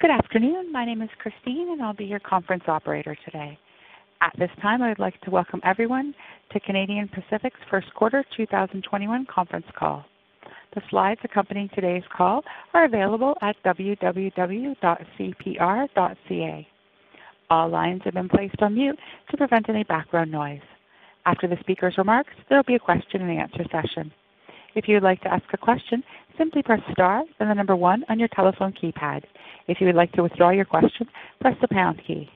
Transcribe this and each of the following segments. Good afternoon. My name is Christine, and I'll be your conference operator today. At this time, I would like to welcome everyone to Canadian Pacific's first quarter 2021 conference call. The slides accompanying today's call are available at www.cpr.ca. All lines have been placed on mute to prevent any background noise. After the speaker's remarks, there will be a question and answer session. If you would like to ask a question, simply press star, then one on your telephone keypad. If you would like to withdraw your question, press the pound key.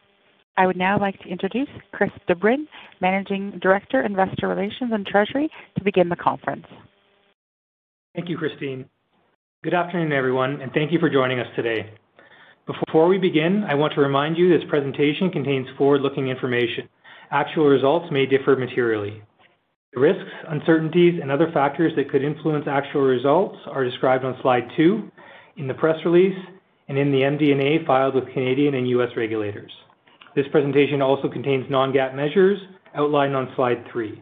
I would now like to introduce Chris de Bruyn, Managing Director, Investor Relations and Treasury, to begin the conference. Thank you, Christine. Good afternoon, everyone, and thank you for joining us today. Before we begin, I want to remind you this presentation contains forward-looking information. Actual results may differ materially. The risks, uncertainties, and other factors that could influence actual results are described on slide two, in the press release, and in the MD&A filed with Canadian and U.S. regulators. This presentation also contains non-GAAP measures outlined on slide three.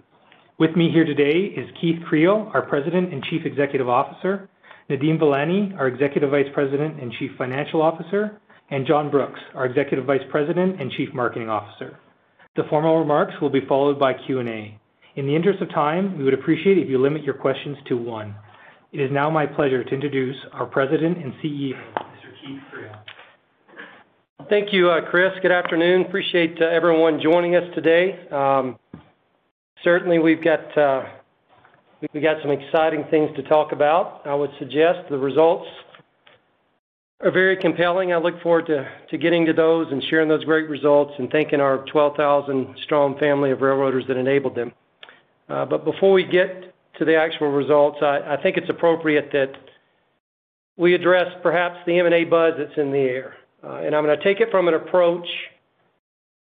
With me here today is Keith Creel, our President and Chief Executive Officer, Nadeem Velani, our Executive Vice President and Chief Financial Officer, and John Brooks, our Executive Vice President and Chief Marketing Officer. The formal remarks will be followed by Q&A. In the interest of time, we would appreciate it if you limit your questions to one. It is now my pleasure to introduce our President and CEO, Mr. Keith Creel. Thank you, Chris. Good afternoon. Appreciate everyone joining us today. Certainly, we've got some exciting things to talk about. I would suggest the results are very compelling. I look forward to getting to those and sharing those great results and thanking our 12,000 strong family of railroaders that enabled them. Before we get to the actual results, I think it's appropriate that we address perhaps the M&A buzz that's in the air. I'm going to take it from an approach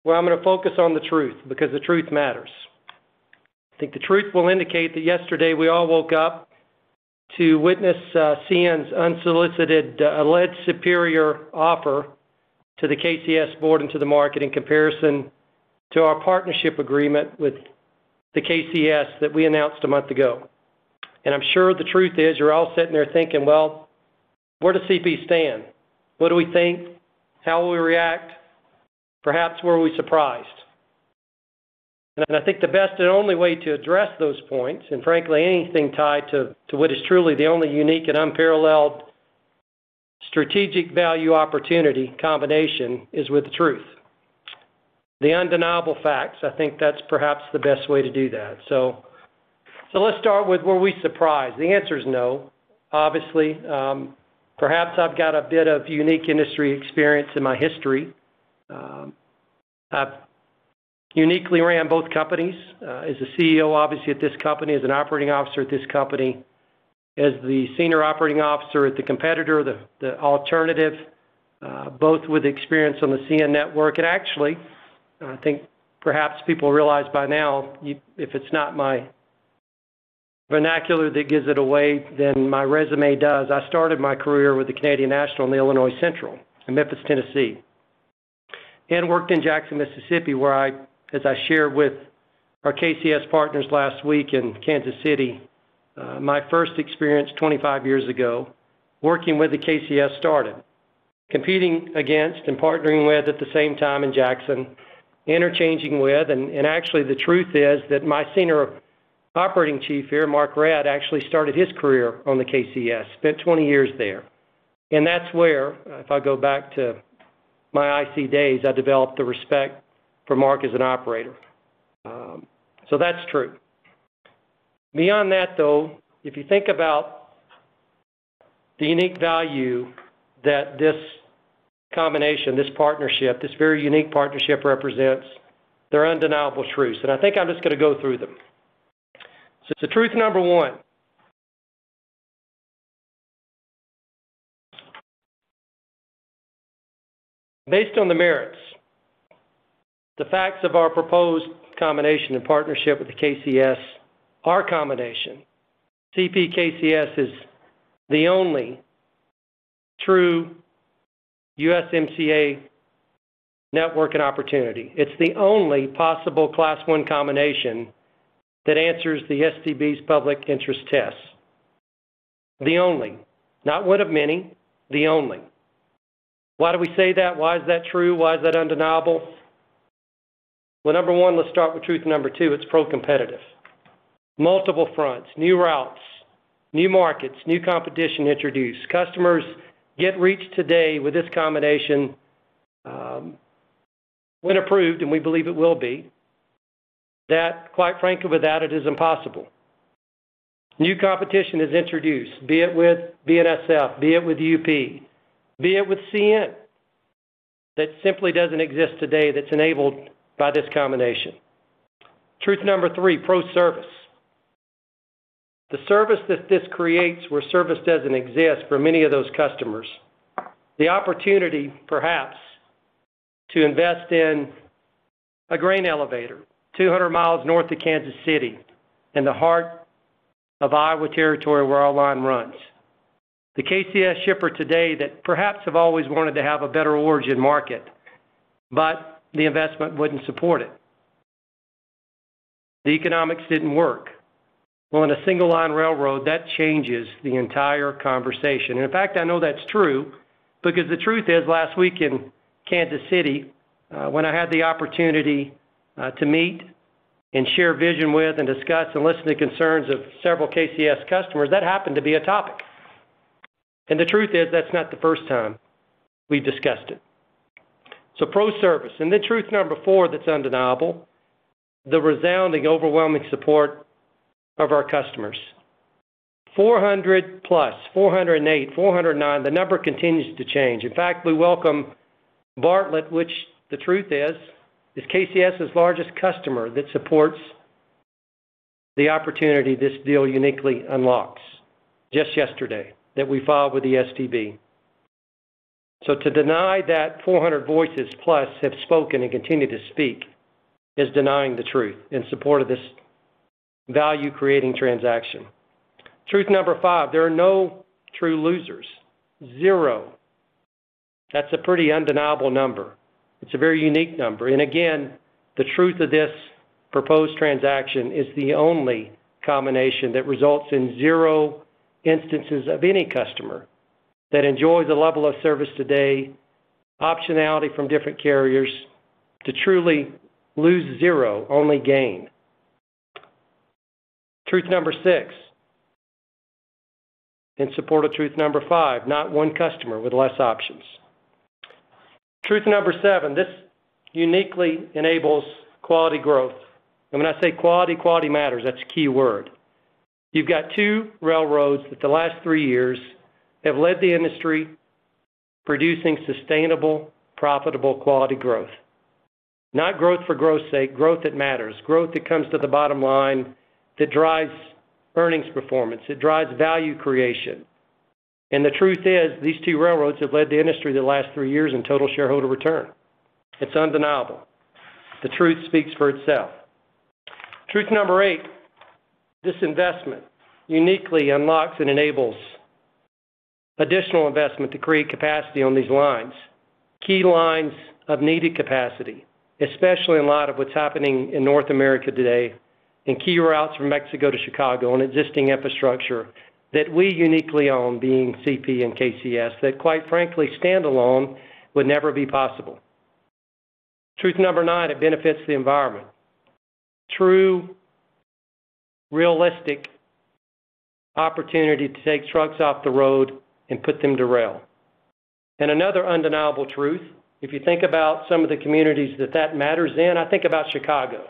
where I'm going to focus on the truth because the truth matters. I think the truth will indicate that yesterday we all woke up to witness CN's unsolicited alleged superior offer to the KCS board and to the market in comparison to our partnership agreement with the KCS that we announced a month ago. I'm sure the truth is you're all sitting there thinking, well, where does CP stand? What do we think? How will we react? Perhaps, were we surprised? I think the best and only way to address those points, and frankly, anything tied to what is truly the only unique and unparalleled strategic value opportunity combination is with the truth. The undeniable facts. I think that's perhaps the best way to do that. Let's start with, were we surprised? The answer is no. Obviously, perhaps I've got a bit of unique industry experience in my history. I've uniquely ran both companies as a CEO, obviously, at this company, as an operating officer at this company, as the senior operating officer at the competitor, the alternative, both with experience on the CN network. Actually, I think perhaps people realize by now if it's not my vernacular that gives it away, then my resume does. I started my career with the Canadian National and the Illinois Central in Memphis, Tennessee, and worked in Jackson, Mississippi, where as I shared with our KCS partners last week in Kansas City, my first experience 25 years ago working with the KCS started. Competing against and partnering with at the same time in Jackson, interchanging with, and actually the truth is that my senior operating chief here, Mark Redd, actually started his career on the KCS, spent 20 years there. That's where, if I go back to my IC days, I developed a respect for Mark as an operator. That's true. Beyond that, though, if you think about the unique value that this combination, this partnership, this very unique partnership represents, they're undeniable truths, and I think I'm just going to go through them. Truth number one. Based on the merits, the facts of our proposed combination and partnership with KCS, our combination, CPKC is the only true USMCA network and opportunity. It's the only possible Class I combination that answers the STB's public interest test. The only. Not one of many, the only. Why do we say that? Why is that true? Why is that undeniable? Well, number one, let's start with truth number two, it's pro-competitive. Multiple fronts, new routes, new markets, new competition introduced. Customers get reached today with this combination, when approved, and we believe it will be, that quite frankly, without it is impossible. New competition is introduced, be it with BNSF, be it with UP, be it with CN. That simply doesn't exist today that's enabled by this combination. Truth number three, pro-service. The service that this creates where service doesn't exist for many of those customers. The opportunity, perhaps, to invest in a grain elevator 200 mi north of Kansas City in the heart of Iowa territory where our line runs. The KCS shipper today that perhaps have always wanted to have a better origin market, but the investment wouldn't support it. The economics didn't work. Well, in a single line railroad, that changes the entire conversation. In fact, I know that's true because the truth is, last week in Kansas City, when I had the opportunity to meet and share a vision with and discuss and listen to concerns of several KCS customers, that happened to be a topic. The truth is, that's not the first time we've discussed it. Pro-service. Truth number four that's undeniable, the resounding overwhelming support of our customers, 400+, 408, 409. The number continues to change. In fact, we welcome Bartlett, which the truth is KCS's largest customer that supports the opportunity this deal uniquely unlocks, just yesterday that we filed with the STB. To deny that 400+ voices have spoken and continue to speak is denying the truth in support of this value-creating transaction. Truth number five, there are no true losers. Zero. That's a pretty undeniable number. It's a very unique number. Again, the truth of this proposed transaction is the only combination that results in zero instances of any customer that enjoys the level of service today, optionality from different carriers to truly lose zero, only gain. Truth number six, in support of truth number five, not one customer with less options. Truth number seven, this uniquely enables quality growth. When I say quality matters, that's a key word. You've got two railroads that the last three years have led the industry producing sustainable, profitable, quality growth. Not growth for growth's sake, growth that matters, growth that comes to the bottom line, that drives earnings performance, it drives value creation. The truth is, these two railroads have led the industry the last three years in total shareholder return. It's undeniable. The truth speaks for itself. Truth number eight, this investment uniquely unlocks and enables additional investment to create capacity on these lines, key lines of needed capacity, especially in light of what's happening in North America today, and key routes from Mexico to Chicago on existing infrastructure that we uniquely own, being CP and KCS, that quite frankly, standalone would never be possible. Truth number nine, it benefits the environment. True, realistic opportunity to take trucks off the road and put them to rail. Another undeniable truth, if you think about some of the communities that matters in, I think about Chicago.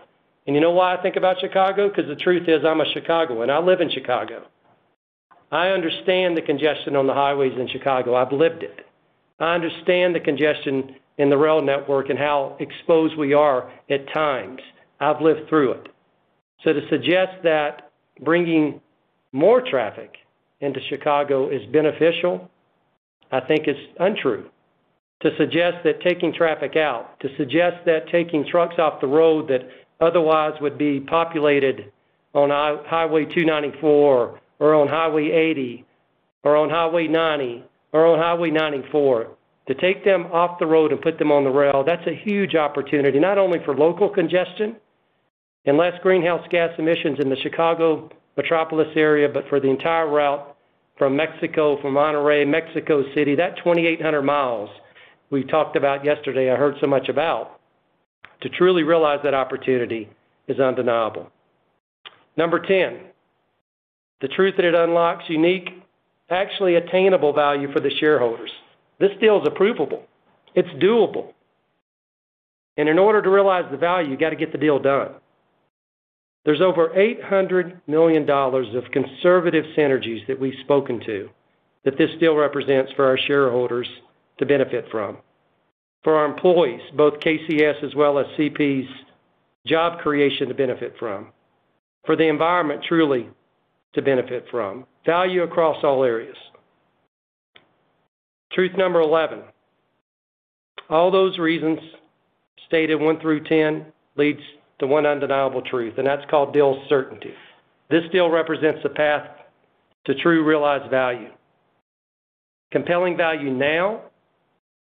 You know why I think about Chicago? The truth is, I'm a Chicagoan. I live in Chicago. I understand the congestion on the highways in Chicago. I've lived it. I understand the congestion in the rail network and how exposed we are at times. I've lived through it. To suggest that bringing more traffic into Chicago is beneficial, I think is untrue. To suggest that taking traffic out, to suggest that taking trucks off the road that otherwise would be populated on Highway 294 or on Highway 80 or on Highway 90 or on Highway 94, to take them off the road and put them on the rail, that's a huge opportunity, not only for local congestion and less greenhouse gas emissions in the Chicago metropolis area, but for the entire route from Mexico, from Monterrey, Mexico City. That 2,800 mi we talked about yesterday, I heard so much about, to truly realize that opportunity is undeniable. Number 10, the truth that it unlocks unique, actually attainable value for the shareholders. This deal is approvable. It's doable. In order to realize the value, you got to get the deal done. There's over 800 million dollars of conservative synergies that we've spoken to that this deal represents for our shareholders to benefit from. For our employees, both KCS as well as CP's job creation to benefit from. For the environment truly to benefit from. Value across all areas. Truth number 11, all those reasons stated one through 10 leads to one undeniable truth, that's called deal certainty. This deal represents the path to true realized value, compelling value now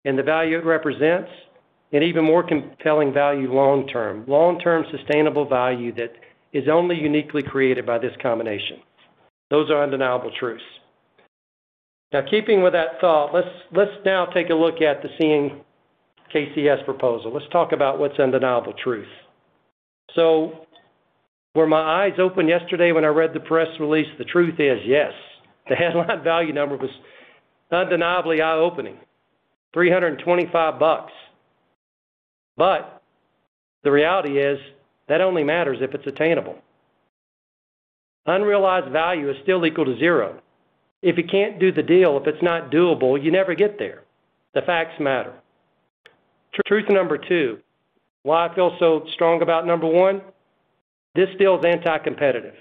and the value it represents, even more compelling value long term, long-term sustainable value that is only uniquely created by this combination. Those are undeniable truths. Keeping with that thought, let's now take a look at the CN KCS proposal. Let's talk about what's undeniable truth. Were my eyes open yesterday when I read the press release? The truth is, yes. The headline value number was undeniably eye-opening, $325. The reality is, that only matters if it's attainable. Unrealized value is still equal to zero. If you can't do the deal, if it's not doable, you never get there. The facts matter. Truth number two, why I feel so strong about number one, this deal is anti-competitive.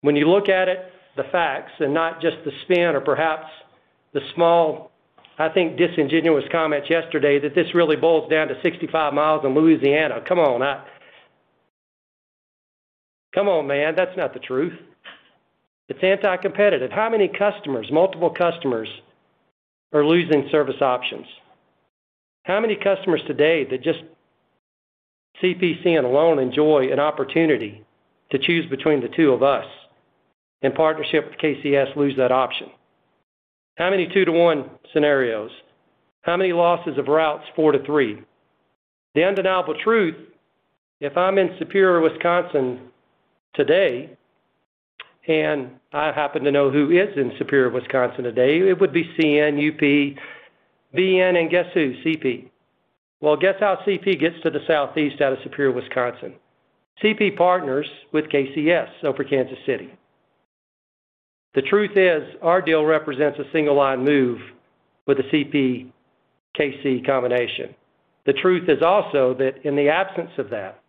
When you look at it, the facts, not just the spin or perhaps the small, I think, disingenuous comments yesterday that this really boils down to 65 mi in Louisiana. Come on, now. Come on, man. That's not the truth. It's anti-competitive. How many customers, multiple customers are losing service options? How many customers today that just CP and alone enjoy an opportunity to choose between the two of us in partnership with KCS lose that option? How many two to one scenarios? How many losses of routes, four to three? The undeniable truth, if I'm in Superior, Wisconsin today and I happen to know who is in Superior, Wisconsin today, it would be CN, UP, BN, and guess who? CP. Well, guess how CP gets to the southeast out of Superior, Wisconsin. CP partners with KCS over Kansas City. The truth is our deal represents a single line move with the CPKC combination. The truth is also that in the absence of that,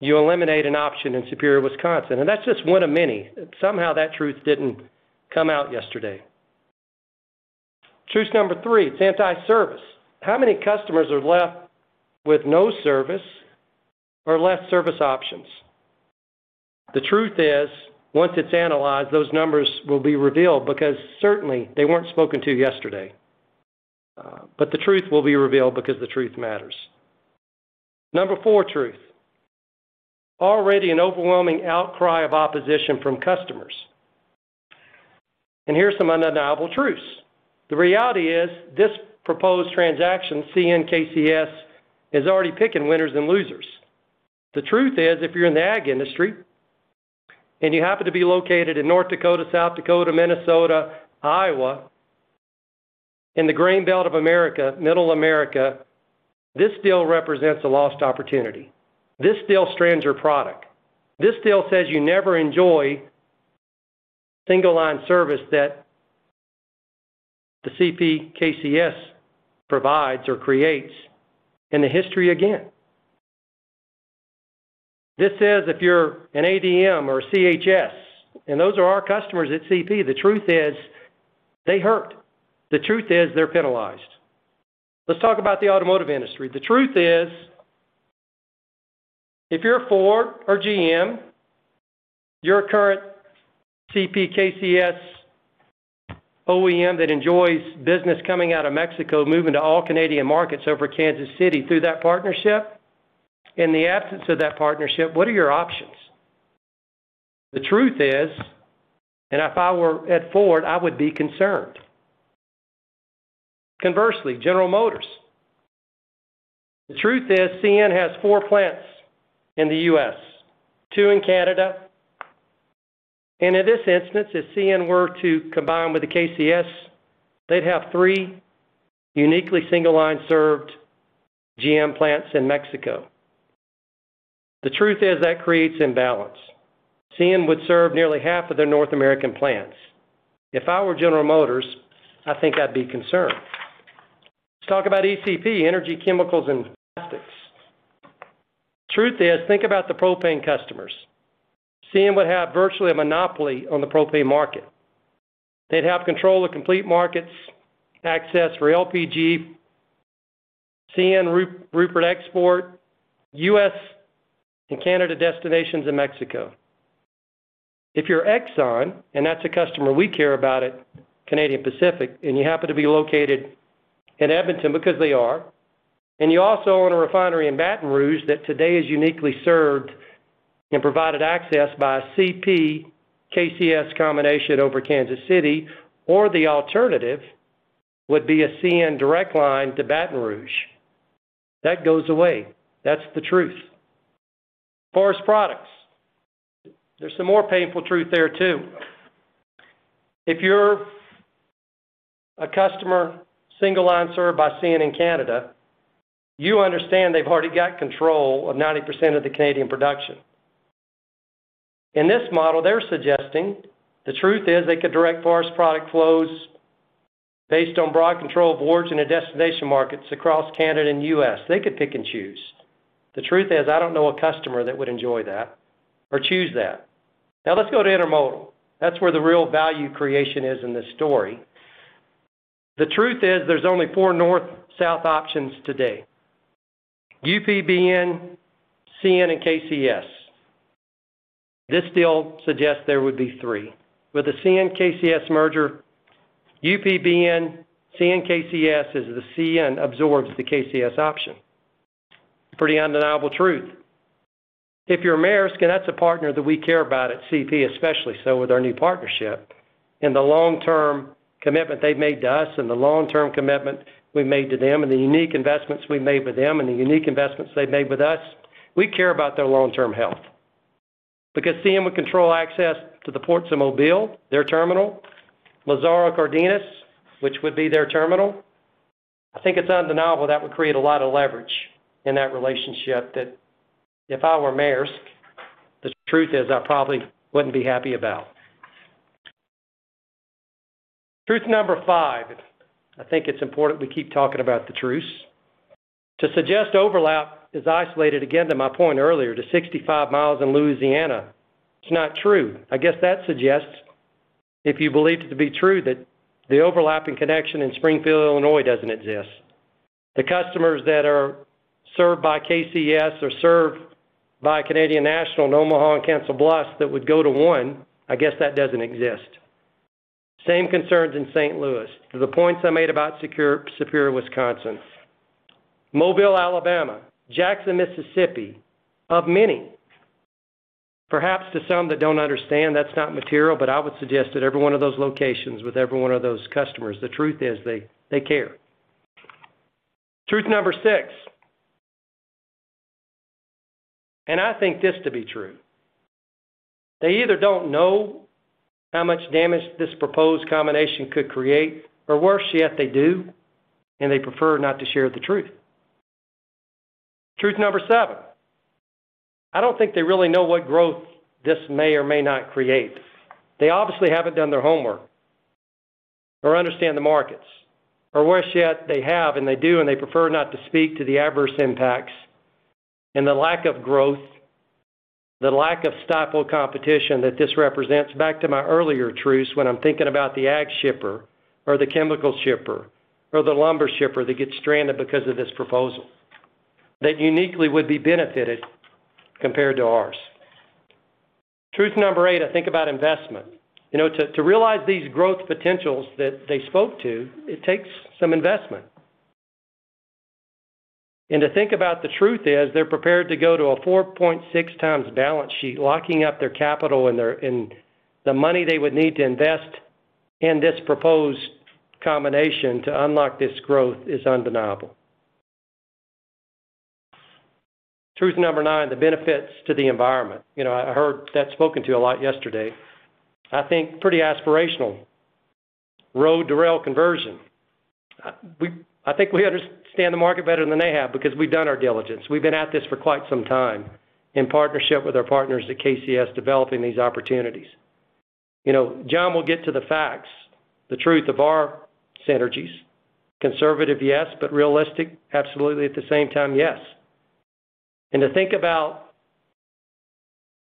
you eliminate an option in Superior, Wisconsin, and that's just one of many. Somehow that truth didn't come out yesterday. Truth number three, it's anti-service. How many customers are left with no service or less service options? The truth is, once it's analyzed, those numbers will be revealed because certainly they weren't spoken to yesterday. The truth will be revealed because the truth matters. Number four truth, already an overwhelming outcry of opposition from customers. Here's some undeniable truths. The reality is this proposed transaction, CNKCS, is already picking winners and losers. The truth is, if you're in the ag industry and you happen to be located in North Dakota, South Dakota, Minnesota, Iowa, in the Grain Belt of America, middle America, this deal represents a lost opportunity. This deal strands your product. This deal says you never enjoy single line service that the CP/KCS provides or creates in the history again. This says if you're an ADM or a CHS, and those are our customers at CP, the truth is they hurt. The truth is they're penalized. Let's talk about the automotive industry. The truth is, if you're Ford or GM, you're a current CP/KCS OEM that enjoys business coming out of Mexico, moving to all Canadian markets over Kansas City through that partnership. In the absence of that partnership, what are your options? The truth is, and if I were at Ford, I would be concerned. Conversely, General Motors. The truth is, CN has four plants in the U.S., two in Canada, and in this instance, if CN were to combine with the KCS, they'd have three uniquely single line served GM plants in Mexico. The truth is that creates imbalance. CN would serve nearly half of their North American plants. If I were General Motors, I think I'd be concerned. Let's talk about ECP, Energy Chemicals and Plastics. Truth is, think about the propane customers. CN would have virtually a monopoly on the propane market. They'd have control of complete markets, access for LPG, CN Prince Rupert export, U.S. and Canada destinations in Mexico. If you're Exxon, and that's a customer we care about at Canadian Pacific, and you happen to be located in Edmonton because they are, and you also own a refinery in Baton Rouge that today is uniquely served and provided access by a CP/KCS combination over Kansas City, or the alternative would be a CN direct line to Baton Rouge. That goes away. That's the truth. Forest Products. There's some more painful truth there, too. If you're a customer, single line served by CN in Canada, you understand they've already got control of 90% of the Canadian production. In this model they're suggesting, the truth is they could direct forest product flows based on broad control boards in the destination markets across Canada and U.S. They could pick and choose. The truth is, I don't know a customer that would enjoy that or choose that. Now let's go to Intermodal. That's where the real value creation is in this story. The truth is there's only four North-South options today. UP, BNSF, CN and KCS. This deal suggests there would be three. With the CN-KCS merger, UP, BNSF, CN-KCS is the CN absorbs the KCS option. Pretty undeniable truth. If you're Maersk, that's a partner that we care about at CP, especially so with our new partnership and the long-term commitment they've made to us and the long-term commitment we've made to them and the unique investments we've made with them and the unique investments they've made with us. We care about their long-term health. CN would control access to the ports of Mobile, their terminal, Lazaro Cardenas, which would be their terminal. I think it's undeniable that would create a lot of leverage in that relationship that if I were Maersk, the truth is I probably wouldn't be happy about. Truth number five, I think it's important we keep talking about the truths. To suggest overlap is isolated, again, to my point earlier, to 65 mi in Louisiana, it's not true. I guess that suggests, if you believe it to be true, that the overlapping connection in Springfield, Illinois, doesn't exist. The customers that are served by KCS or served by Canadian National in Omaha and Council Bluffs that would go to one, I guess that doesn't exist. Same concerns in St. Louis to the points I made about Superior, Wisconsin. Mobile, Alabama, Jackson, Mississippi, of many. Perhaps to some that don't understand, that's not material, but I would suggest that every one of those locations with every one of those customers, the truth is they care. Truth number six, I think this to be true. They either don't know how much damage this proposed combination could create. Worse yet, they do, and they prefer not to share the truth. Truth number seven, I don't think they really know what growth this may or may not create. They obviously haven't done their homework or understand the markets, or worse yet, they have, and they do, and they prefer not to speak to the adverse impacts and the lack of growth, the lack of sustainable competition that this represents. Back to my earlier truths when I'm thinking about the ag shipper or the chemical shipper or the lumber shipper that gets stranded because of this proposal, that uniquely would be benefited compared to ours. Truth number eight, I think about investment. To realize these growth potentials that they spoke to, it takes some investment. And to think about the truth is, they're prepared to go to a 4.6x balance sheet, locking up their capital and the money they would need to invest in this proposed combination to unlock this growth is undeniable. Truth number nine, the benefits to the environment. I heard that spoken to a lot yesterday. I think pretty aspirational road to rail conversion. I think we understand the market better than they have because we've done our diligence. We've been at this for quite some time in partnership with our partners at KCS, developing these opportunities. John will get to the facts, the truth of our synergies. Conservative, yes, but realistic, absolutely at the same time, yes. To think about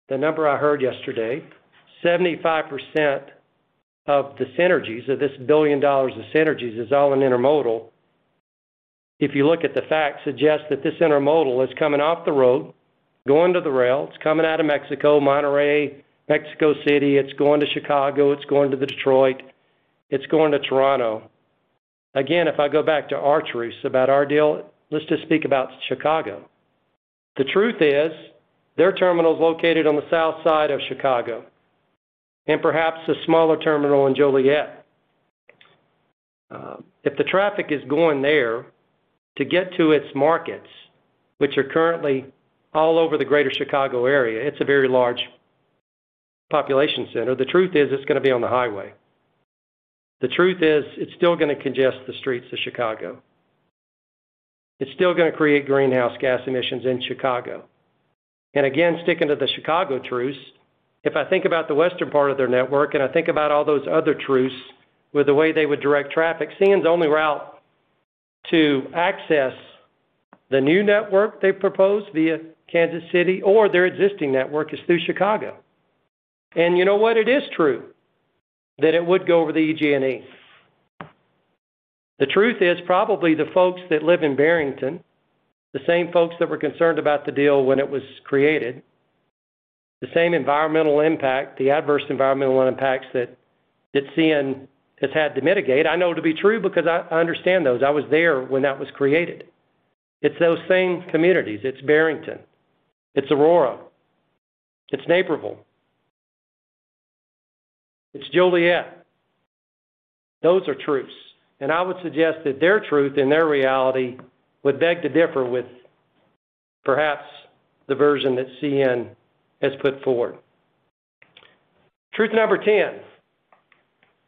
the number I heard yesterday, 75% of the synergies, of this 1 billion dollars of synergies, is all in intermodal. If you look at the facts, suggest that this intermodal is coming off the road, going to the rail. It's coming out of Mexico, Monterrey, Mexico City. It's going to Chicago. It's going to Detroit. It's going to Toronto. Again, if I go back to our truths about our deal, let's just speak about Chicago. The truth is, their terminal is located on the south side of Chicago and perhaps a smaller terminal in Joliet. If the traffic is going there to get to its markets, which are currently all over the greater Chicago area, it's a very large population center. The truth is, it's going to be on the highway. The truth is, it's still going to congest the streets of Chicago. It's still going to create greenhouse gas emissions in Chicago. Again, sticking to the Chicago truths, if I think about the western part of their network and I think about all those other truths with the way they would direct traffic, CN's only route to access the new network they propose via Kansas City or their existing network is through Chicago. You know what? It is true that it would go over the EJ&E. The truth is probably the folks that live in Barrington, the same folks that were concerned about the deal when it was created, the same environmental impact, the adverse environmental impacts that CN has had to mitigate, I know to be true because I understand those. I was there when that was created. It's those same communities. It's Barrington, it's Aurora, it's Naperville, it's Joliet. Those are truths. I would suggest that their truth and their reality would beg to differ with perhaps the version that CN has put forward. Truth number 10,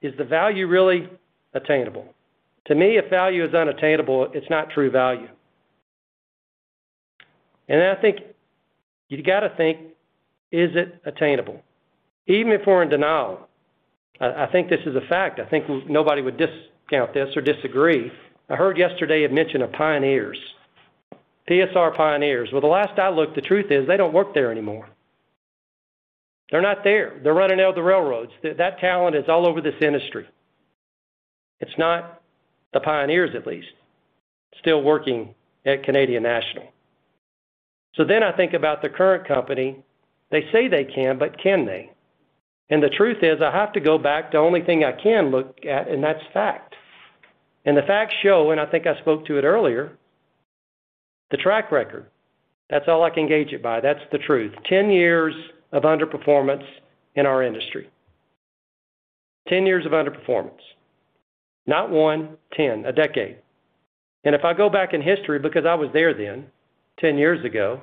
is the value really attainable? To me, if value is unattainable, it's not true value. I think you got to think, is it attainable? Even if we're in denial, I think this is a fact. I think nobody would discount this or disagree. I heard yesterday a mention of pioneers, PSR pioneers. Well, the last I looked, the truth is they don't work there anymore. They're not there. They're running out of the railroads. That talent is all over this industry. It's not the pioneers, at least, still working at Canadian National. I think about the current company. They say they can, but can they? The truth is, I have to go back to the only thing I can look at, and that's fact. The facts show, and I think I spoke to it earlier, the track record. That's all I can gauge it by. That's the truth. 10 years of underperformance in our industry. 10 years of underperformance. Not one, 10, a decade. If I go back in history, because I was there then, 10 years ago,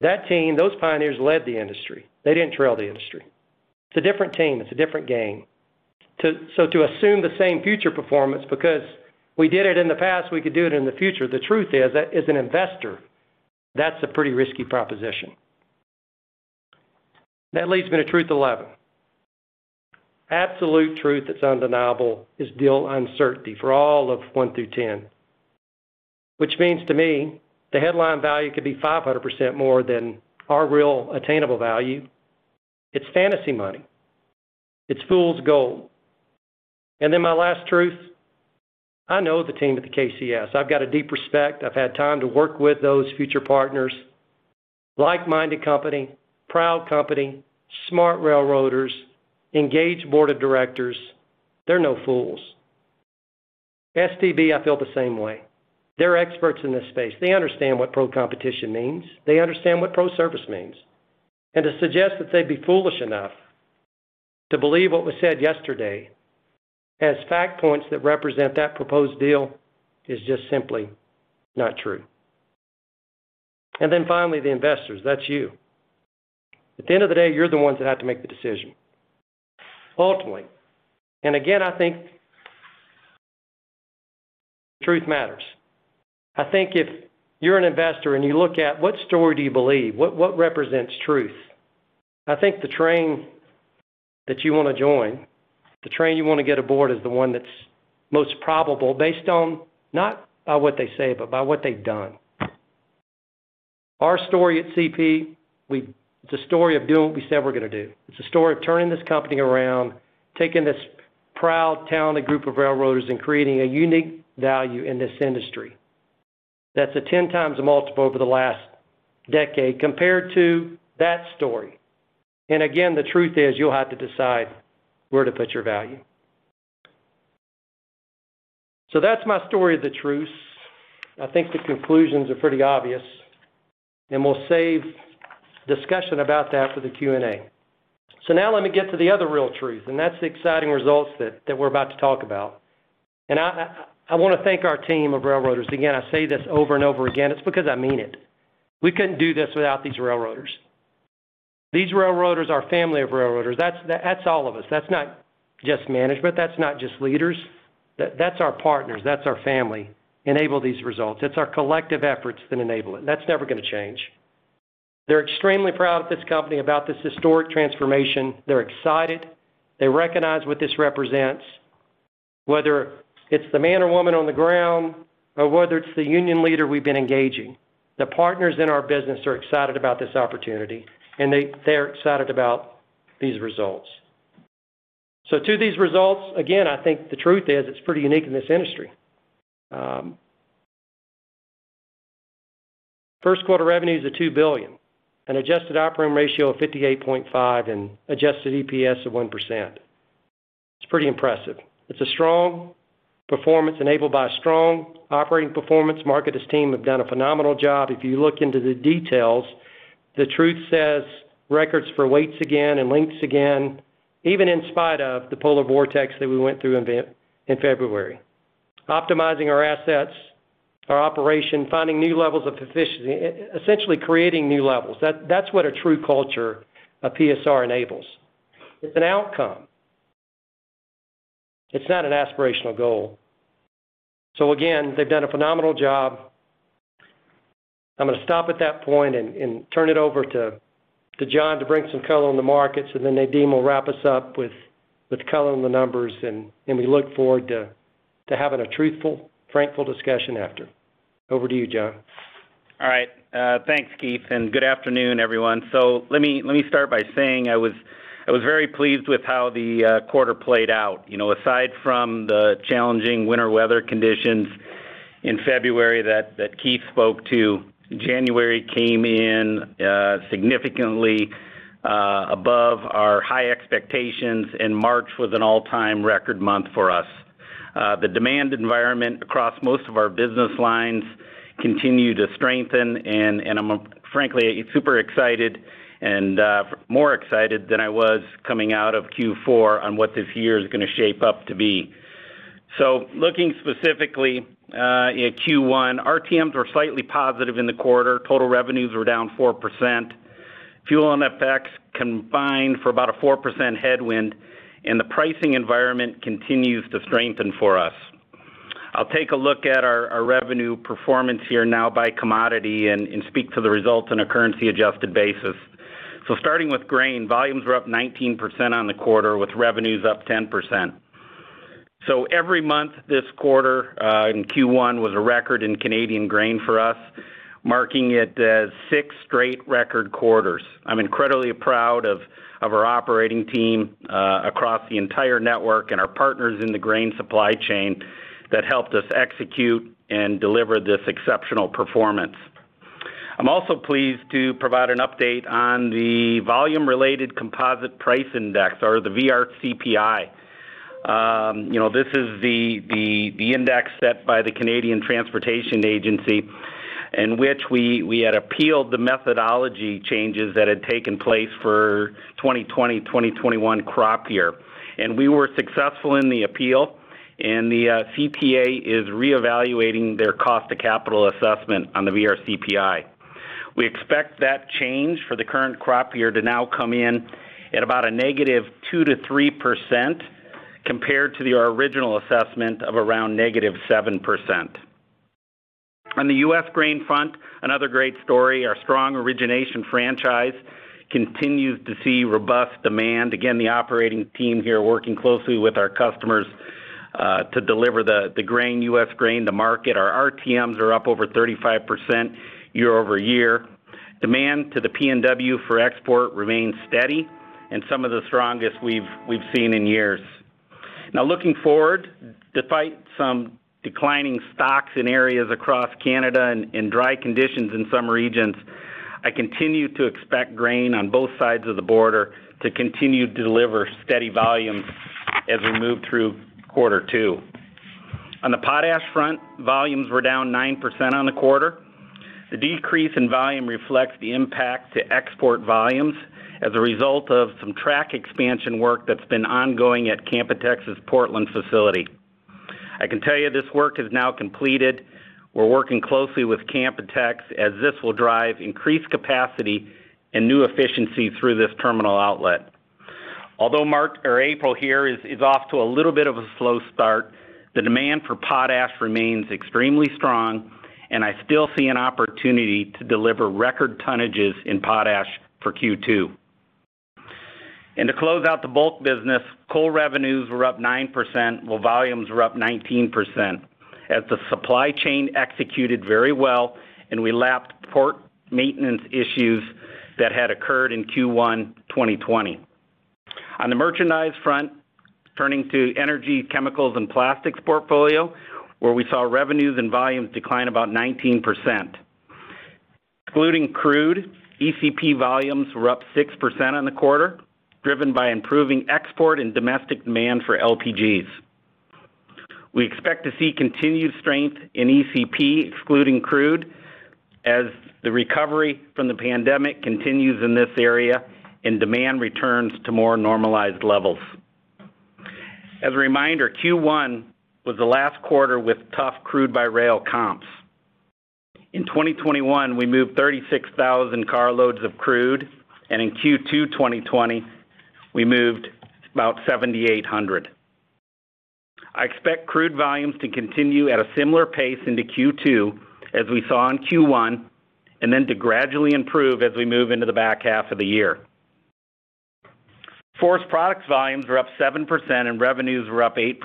that team, those pioneers led the industry. They didn't trail the industry. It's a different team. It's a different game. To assume the same future performance because we did it in the past, we could do it in the future, the truth is, as an investor, that's a pretty risky proposition. That leads me to truth 11. Absolute truth that's undeniable is deal uncertainty for all of one through 10, which means to me, the headline value could be 500% more than our real attainable value. It's fantasy money. It's fool's gold. Then my last truth, I know the team at the KCS. I've got a deep respect. I've had time to work with those future partners, like-minded company, proud company, smart railroaders, engaged board of directors. They're no fools. STB, I feel the same way. They're experts in this space. They understand what pro-competition means. They understand what pro-service means. To suggest that they'd be foolish enough to believe what was said yesterday as fact points that represent that proposed deal is just simply not true. Finally, the investors. That's you. At the end of the day, you're the ones that have to make the decision ultimately. Again, I think truth matters. I think if you're an investor and you look at what story do you believe, what represents truth, I think the train that you want to join, the train you want to get aboard is the one that's most probable based on not by what they say, but by what they've done. Our story at CP, it's a story of doing what we said we're going to do. It's a story of turning this company around, taking this proud, talented group of railroaders and creating a unique value in this industry. That's a 10x multiple over the last decade compared to that story. Again, the truth is you'll have to decide where to put your value. That's my story of the truths. I think the conclusions are pretty obvious, and we'll save discussion about that for the Q&A. Now let me get to the other real truth, and that's the exciting results that we're about to talk about. I want to thank our team of railroaders. Again, I say this over and over again, it's because I mean it. We couldn't do this without these railroaders. These railroaders are a family of railroaders. That's all of us. That's not just management, that's not just leaders. That's our partners, that's our family, enable these results. It's our collective efforts that enable it, and that's never going to change. They're extremely proud of this company, about this historic transformation. They're excited. They recognize what this represents, whether it's the man or woman on the ground or whether it's the union leader we've been engaging. The partners in our business are excited about this opportunity, and they're excited about these results. To these results, again, I think the truth is it's pretty unique in this industry. First quarter revenue is at 2 billion, an adjusted operating ratio of 58.5% and adjusted EPS of 1%. It's pretty impressive. It's a strong performance enabled by strong operating performance. Mark and his team have done a phenomenal job. If you look into the details, the truth says records for weights again and lengths again, even in spite of the polar vortex that we went through in February. Optimizing our assets, our operation, finding new levels of efficiency, essentially creating new levels. That's what a true culture of PSR enables. It's an outcome. It's not an aspirational goal. Again, they've done a phenomenal job. I'm going to stop at that point and turn it over to John to bring some color on the markets, and then Nadeem will wrap us up with color on the numbers, and we look forward to having a truthful, frankful discussion after. Over to you, John. All right. Thanks, Keith, and good afternoon, everyone. Let me start by saying I was very pleased with how the quarter played out. Aside from the challenging winter weather conditions in February that Keith spoke to, January came in significantly above our high expectations, and March was an an all-time record month for us. The demand environment across most of our business lines continue to strengthen, and I'm, frankly, super excited and more excited than I was coming out of Q4 on what this year is going to shape up to be. Looking specifically at Q1, RTMs were slightly positive in the quarter. Total revenues were down 4%. Fuel and FX combined for about a 4% headwind, and the pricing environment continues to strengthen for us. I'll take a look at our revenue performance here now by commodity and speak to the results on a currency-adjusted basis. Starting with grain, volumes were up 19% on the quarter, with revenues up 10%. Every month this quarter in Q1 was a record in Canadian grain for us, marking it six straight record quarters. I'm incredibly proud of our operating team across the entire network and our partners in the grain supply chain that helped us execute and deliver this exceptional performance. I'm also pleased to provide an update on the Volume-Related Composite Price Index, or the VRCPI. This is the index set by the Canadian Transportation Agency in which we had appealed the methodology changes that had taken place for 2020-2021 crop year. We were successful in the appeal, and the CTA is reevaluating their cost to capital assessment on the VRCPI. We expect that change for the current crop year to now come in at about a -2% to -3% compared to the original assessment of around -7%. On the U.S. grain front, another great story. Our strong origination franchise continues to see robust demand. The operating team here working closely with our customers to deliver the U.S. grain to market. Our RTMs are up over 35% year-over-year. Demand to the PNW for export remains steady and some of the strongest we've seen in years. Looking forward, despite some declining stocks in areas across Canada and dry conditions in some regions, I continue to expect grain on both sides of the border to continue to deliver steady volumes as we move through quarter two. On the potash front, volumes were down 9% on the quarter. The decrease in volume reflects the impact to export volumes as a result of some track expansion work that's been ongoing at Canpotex's Portland facility. I can tell you this work is now completed. We're working closely with Canpotex, as this will drive increased capacity and new efficiency through this terminal outlet. Although April here is off to a little bit of a slow start, the demand for potash remains extremely strong, and I still see an opportunity to deliver record tonnages in potash for Q2. To close out the bulk business, coal revenues were up 9%, while volumes were up 19%, as the supply chain executed very well, and we lapped port maintenance issues that had occurred in Q1 2020. On the merchandise front, turning to energy, chemicals, and plastics portfolio, where we saw revenues and volumes decline about 19%. Excluding crude, ECP volumes were up 6% on the quarter, driven by improving export and domestic demand for LPGs. We expect to see continued strength in ECP, excluding crude, as the recovery from the pandemic continues in this area and demand returns to more normalized levels. As a reminder, Q1 was the last quarter with tough crude-by-rail comps. In 2021, we moved 36,000 carloads of crude, and in Q2 2020, we moved about 7,800. I expect crude volumes to continue at a similar pace into Q2, as we saw in Q1, and then to gradually improve as we move into the back half of the year. Forest products volumes were up 7% and revenues were up 8%.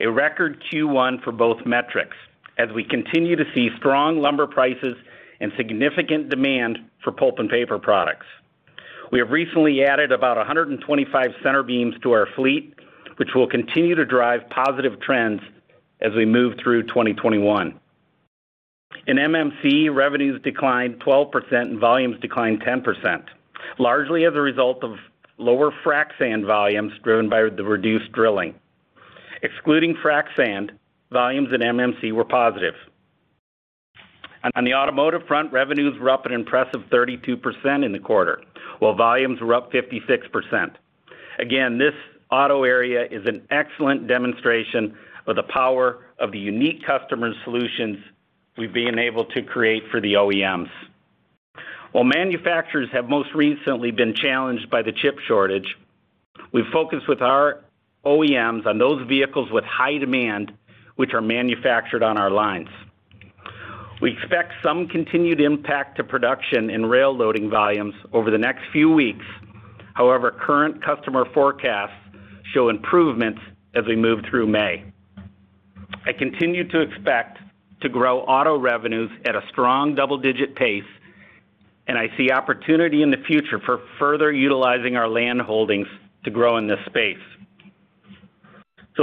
A record Q1 for both metrics, as we continue to see strong lumber prices and significant demand for pulp and paper products. We have recently added about 125 center beams to our fleet, which will continue to drive positive trends as we move through 2021. In MMC, revenues declined 12% and volumes declined 10%, largely as a result of lower frac sand volumes driven by the reduced drilling. Excluding frac sand, volumes at MMC were positive. On the automotive front, revenues were up an impressive 32% in the quarter, while volumes were up 56%. This auto area is an excellent demonstration of the power of the unique customer solutions we've been able to create for the OEMs. While manufacturers have most recently been challenged by the chip shortage, we've focused with our OEMs on those vehicles with high demand, which are manufactured on our lines. We expect some continued impact to production and rail loading volumes over the next few weeks. However, current customer forecasts show improvements as we move through May. I continue to expect to grow auto revenues at a strong double-digit pace, and I see opportunity in the future for further utilizing our land holdings to grow in this space.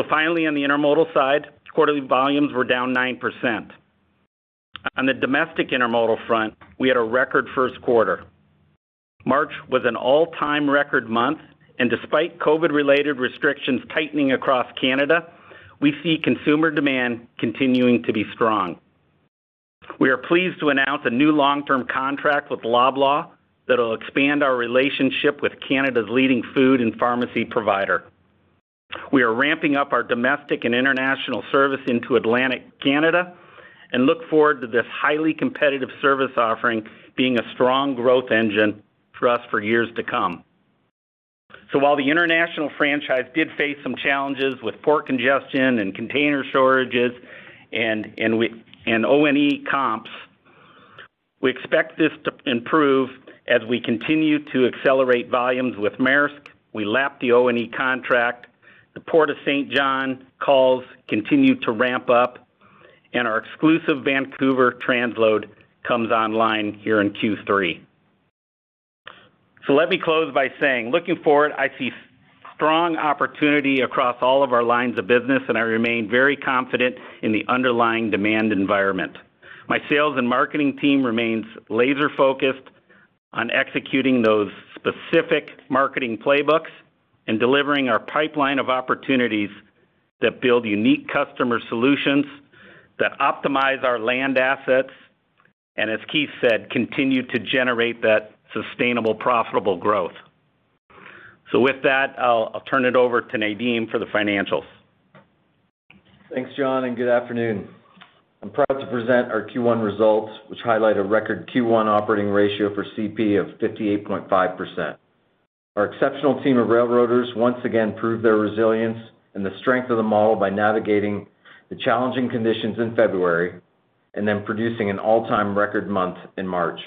Finally, on the intermodal side, quarterly volumes were down 9%. On the domestic intermodal front, we had a record first quarter. March was an all-time record month, and despite COVID-related restrictions tightening across Canada, we see consumer demand continuing to be strong. We are pleased to announce a new long-term contract with Loblaw that will expand our relationship with Canada's leading food and pharmacy provider. We are ramping up our domestic and international service into Atlantic Canada and look forward to this highly competitive service offering being a strong growth engine for us for years to come. While the international franchise did face some challenges with port congestion and container shortages and ONE comps, we expect this to improve as we continue to accelerate volumes with Maersk, we lap the ONE contract, the Port of Saint John calls continue to ramp up, and our exclusive Vancouver transload comes online here in Q3. Let me close by saying, looking forward, I see strong opportunity across all of our lines of business, and I remain very confident in the underlying demand environment. My sales and marketing team remains laser-focused on executing those specific marketing playbooks and delivering our pipeline of opportunities that build unique customer solutions that optimize our land assets and, as Keith said, continue to generate that sustainable profitable growth. With that, I'll turn it over to Nadeem for the financials. Thanks, John. Good afternoon. I'm proud to present our Q1 results, which highlight a record Q1 operating ratio for CP of 58.5%. Our exceptional team of railroaders once again proved their resilience and the strength of the model by navigating the challenging conditions in February and then producing an all-time record month in March.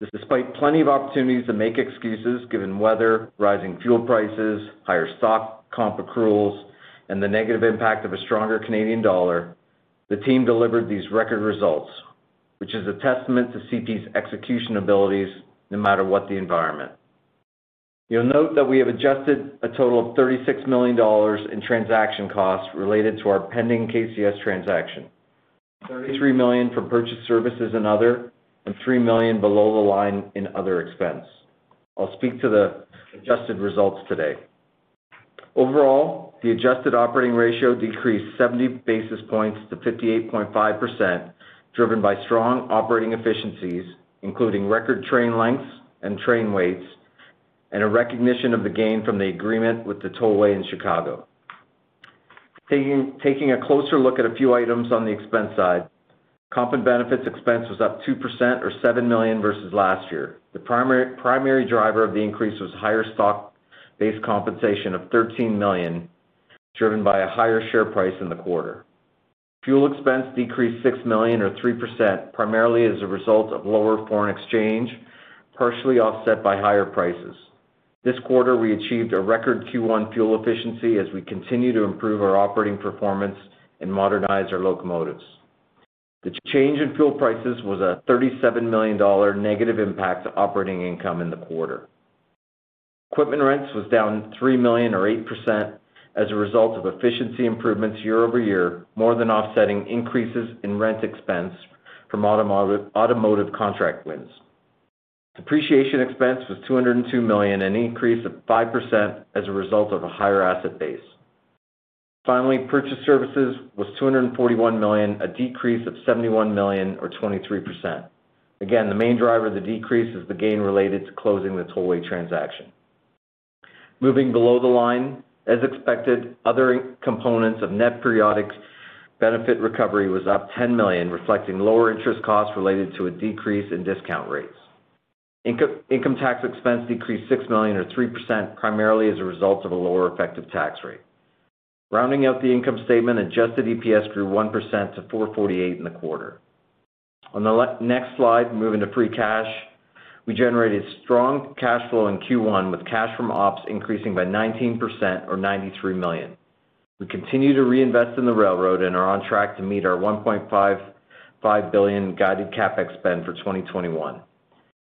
This despite plenty of opportunities to make excuses given weather, rising fuel prices, higher stock comp accruals, and the negative impact of a stronger Canadian dollar, the team delivered these record results, which is a testament to CP's execution abilities, no matter what the environment. You'll note that we have adjusted a total of 36 million dollars in transaction costs related to our pending KCS transaction, 33 million from purchased services and other, and 3 million below the line in other expense. I'll speak to the adjusted results today. Overall, the adjusted operating ratio decreased 70 basis points to 58.5%, driven by strong operating efficiencies, including record train lengths and train weights, and a recognition of the gain from the agreement with the tollway in Chicago. Taking a closer look at a few items on the expense side, comp and benefits expense was up 2% or 7 million versus last year. The primary driver of the increase was higher stock-based compensation of 13 million, driven by a higher share price in the quarter. Fuel expense decreased 6 million or 3%, primarily as a result of lower foreign exchange, partially offset by higher prices. This quarter, we achieved a record Q1 fuel efficiency as we continue to improve our operating performance and modernize our locomotives. The change in fuel prices was a 37 million dollar negative impact to operating income in the quarter. Equipment rents was down 3 million or 8% as a result of efficiency improvements year-over-year, more than offsetting increases in rent expense from automotive contract wins. Depreciation expense was 202 million, an increase of 5% as a result of a higher asset base. Finally, purchased services was 241 million, a decrease of 71 million or 23%. Again, the main driver of the decrease is the gain related to closing the tollway transaction. Moving below the line, as expected, other components of net periodic benefit recovery was up 10 million, reflecting lower interest costs related to a decrease in discount rates. Income tax expense decreased 6 million or 3%, primarily as a result of a lower effective tax rate. Rounding out the income statement, adjusted EPS grew 1% to 4.48 in the quarter. On the next slide, moving to free cash, we generated strong cash flow in Q1 with cash from ops increasing by 19% or 93 million. We continue to reinvest in the railroad and are on track to meet our 1.5 billion guided CapEx spend for 2021.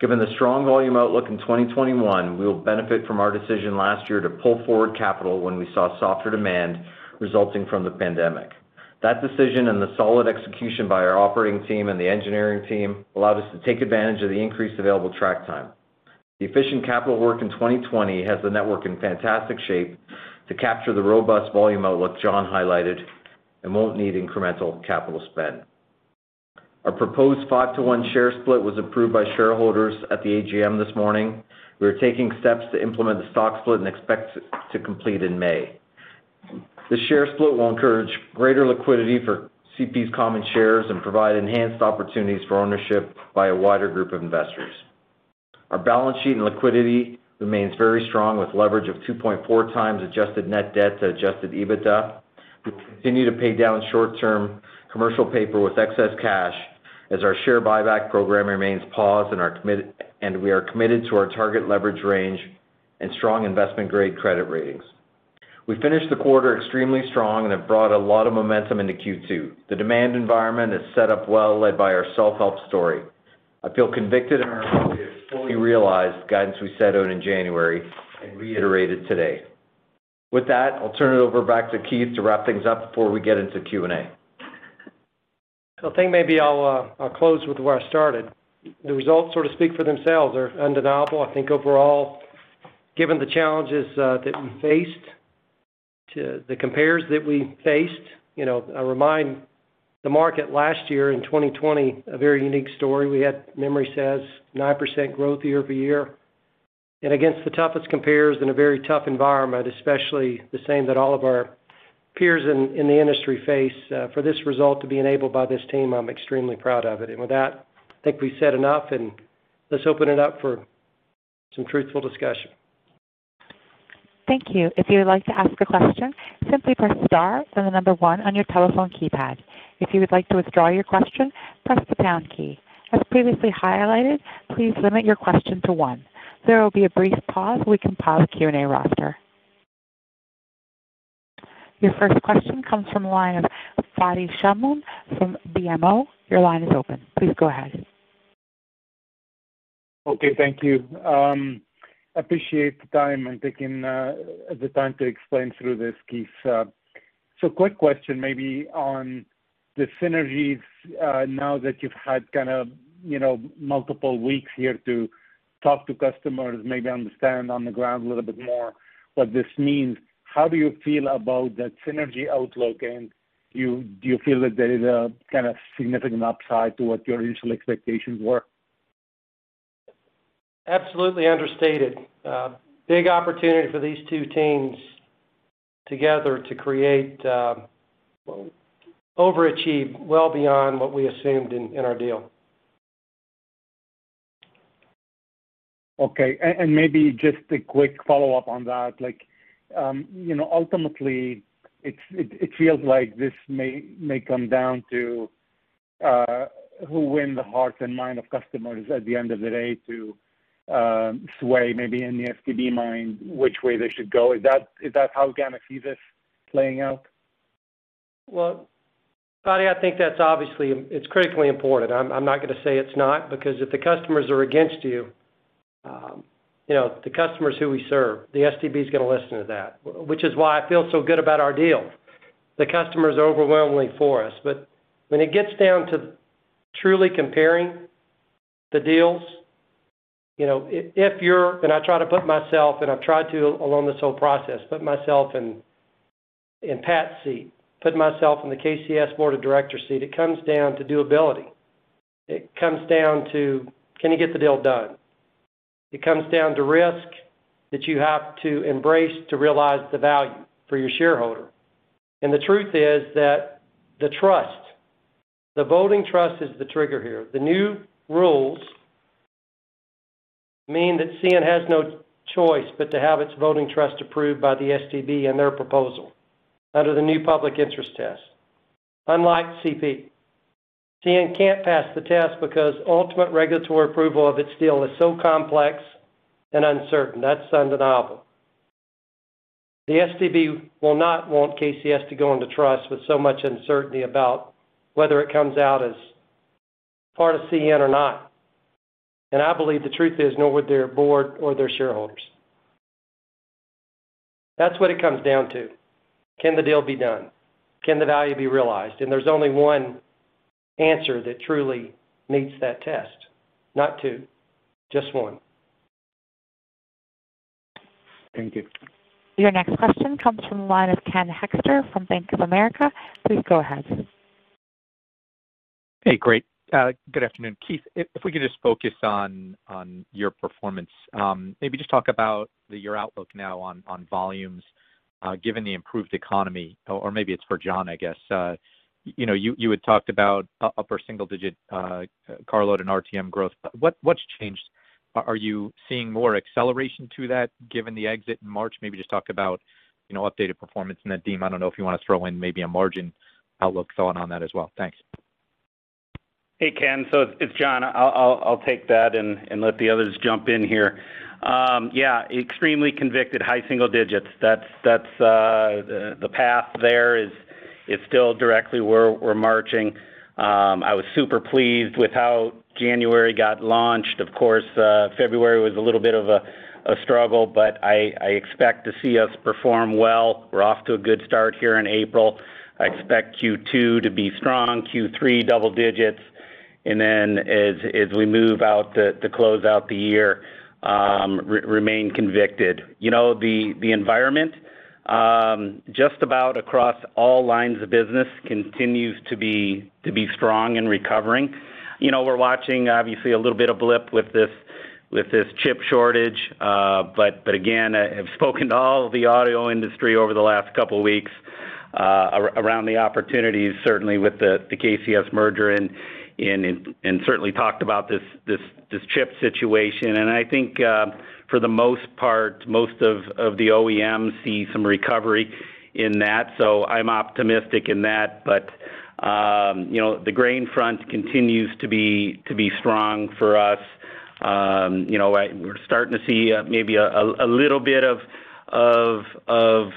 Given the strong volume outlook in 2021, we will benefit from our decision last year to pull forward capital when we saw softer demand resulting from the pandemic. That decision and the solid execution by our operating team and the engineering team allowed us to take advantage of the increased available track time. The efficient capital work in 2020 has the network in fantastic shape to capture the robust volume outlook John highlighted and won't need incremental capital spend. Our proposed 5:1 share split was approved by shareholders at the AGM this morning. We are taking steps to implement the stock split and expect to complete in May. The share split will encourage greater liquidity for CP's common shares and provide enhanced opportunities for ownership by a wider group of investors. Our balance sheet and liquidity remains very strong with leverage of 2.4x adjusted net debt to adjusted EBITDA. We will continue to pay down short-term commercial paper with excess cash as our share buyback program remains paused, and we are committed to our target leverage range and strong investment-grade credit ratings. We finished the quarter extremely strong and have brought a lot of momentum into Q2. The demand environment is set up well led by our self-help story. I feel convicted in our ability to fully realize the guidance we set out in January and reiterated today. With that, I'll turn it over back to Keith to wrap things up before we get into Q&A. I think maybe I'll close with where I started. The results sort of speak for themselves. They're undeniable. I think overall, given the challenges that we faced, to the compares that we faced, I remind the market last year in 2020, a very unique story. We had, memory says, 9% growth year-over-year. Against the toughest compares in a very tough environment, especially the same that all of our peers in the industry face, for this result to be enabled by this team, I'm extremely proud of it. With that, I think we've said enough, and let's open it up for some truthful discussion. Thank you. If you would like to ask a question, simply press star, then the number one on your telephone keypad. If you would like to withdraw your question, press the pound key. As previously highlighted, please limit your question to one. There will be a brief pause while we compile the Q&A roster. Your first question comes from the line of Fadi Chamoun from BMO. Your line is open. Please go ahead. Okay. Thank you. Appreciate the time and taking the time to explain through this, Keith. Quick question maybe on the synergies now that you've had kind of multiple weeks here to talk to customers, maybe understand on the ground a little bit more what this means. How do you feel about that synergy outlook? Do you feel that there is a kind of significant upside to what your initial expectations were? Absolutely understated. Big opportunity for these two teams together to overachieve well beyond what we assumed in our deal. Okay, maybe just a quick follow-up on that. Ultimately, it feels like this may come down to who win the hearts and mind of customers at the end of the day to sway maybe in the STB mind which way they should go? Is that how management sees this playing out? Fadi, I think that obviously it's critically important. I'm not going to say it's not, because if the customers are against you, the customers who we serve, the STB is going to listen to that, which is why I feel so good about our deal. The customers are overwhelmingly for us. When it gets down to truly comparing the deals, and I try to put myself, and I've tried to along this whole process, put myself in Pat's seat, put myself in the KCS board of director seat, it comes down to doability. It comes down to, can you get the deal done? It comes down to risk that you have to embrace to realize the value for your shareholder. The truth is that the trust, the voting trust is the trigger here. The new rules mean that CN has no choice but to have its voting trust approved by the STB and their proposal under the new public interest test. Unlike CP, CN can't pass the test because ultimate regulatory approval of its deal is so complex and uncertain. That's undeniable. The STB will not want KCS to go into trust with so much uncertainty about whether it comes out as part of CN or not. I believe the truth is, nor would their board or their shareholders. That's what it comes down to. Can the deal be done? Can the value be realized? There's only one answer that truly meets that test. Not two, just one. Thank you. Your next question comes from the line of Ken Hoexter from Bank of America. Please go ahead. Hey, great. Good afternoon. Keith, if we could just focus on your performance. Just talk about your outlook now on volumes, given the improved economy, or maybe it's for John, I guess. You had talked about upper single-digit carload and RTM growth. What's changed? Are you seeing more acceleration to that given the exit in March? Just talk about updated performance in that theme. I don't know if you want to throw in maybe a margin outlook thought on that as well. Thanks. Hey, Ken. It's John. I'll take that and let the others jump in here. Yeah, extremely convicted, high single digits. The path there is still directly where we're marching. I was super pleased with how January got launched. Of course, February was a little bit of a struggle, but I expect to see us perform well. We're off to a good start here in April. I expect Q2 to be strong, Q3 double digits, and then as we move out to close out the year, remain convicted. The environment, just about across all lines of business continues to be strong and recovering. We're watching, obviously, a little bit of blip with this chip shortage. Again, I've spoken to all of the auto industry over the last couple of weeks around the opportunities, certainly with the KCS merger, and certainly talked about this chip situation. I think for the most part, most of the OEMs see some recovery in that. I'm optimistic in that. The grain front continues to be strong for us. We're starting to see maybe a little bit of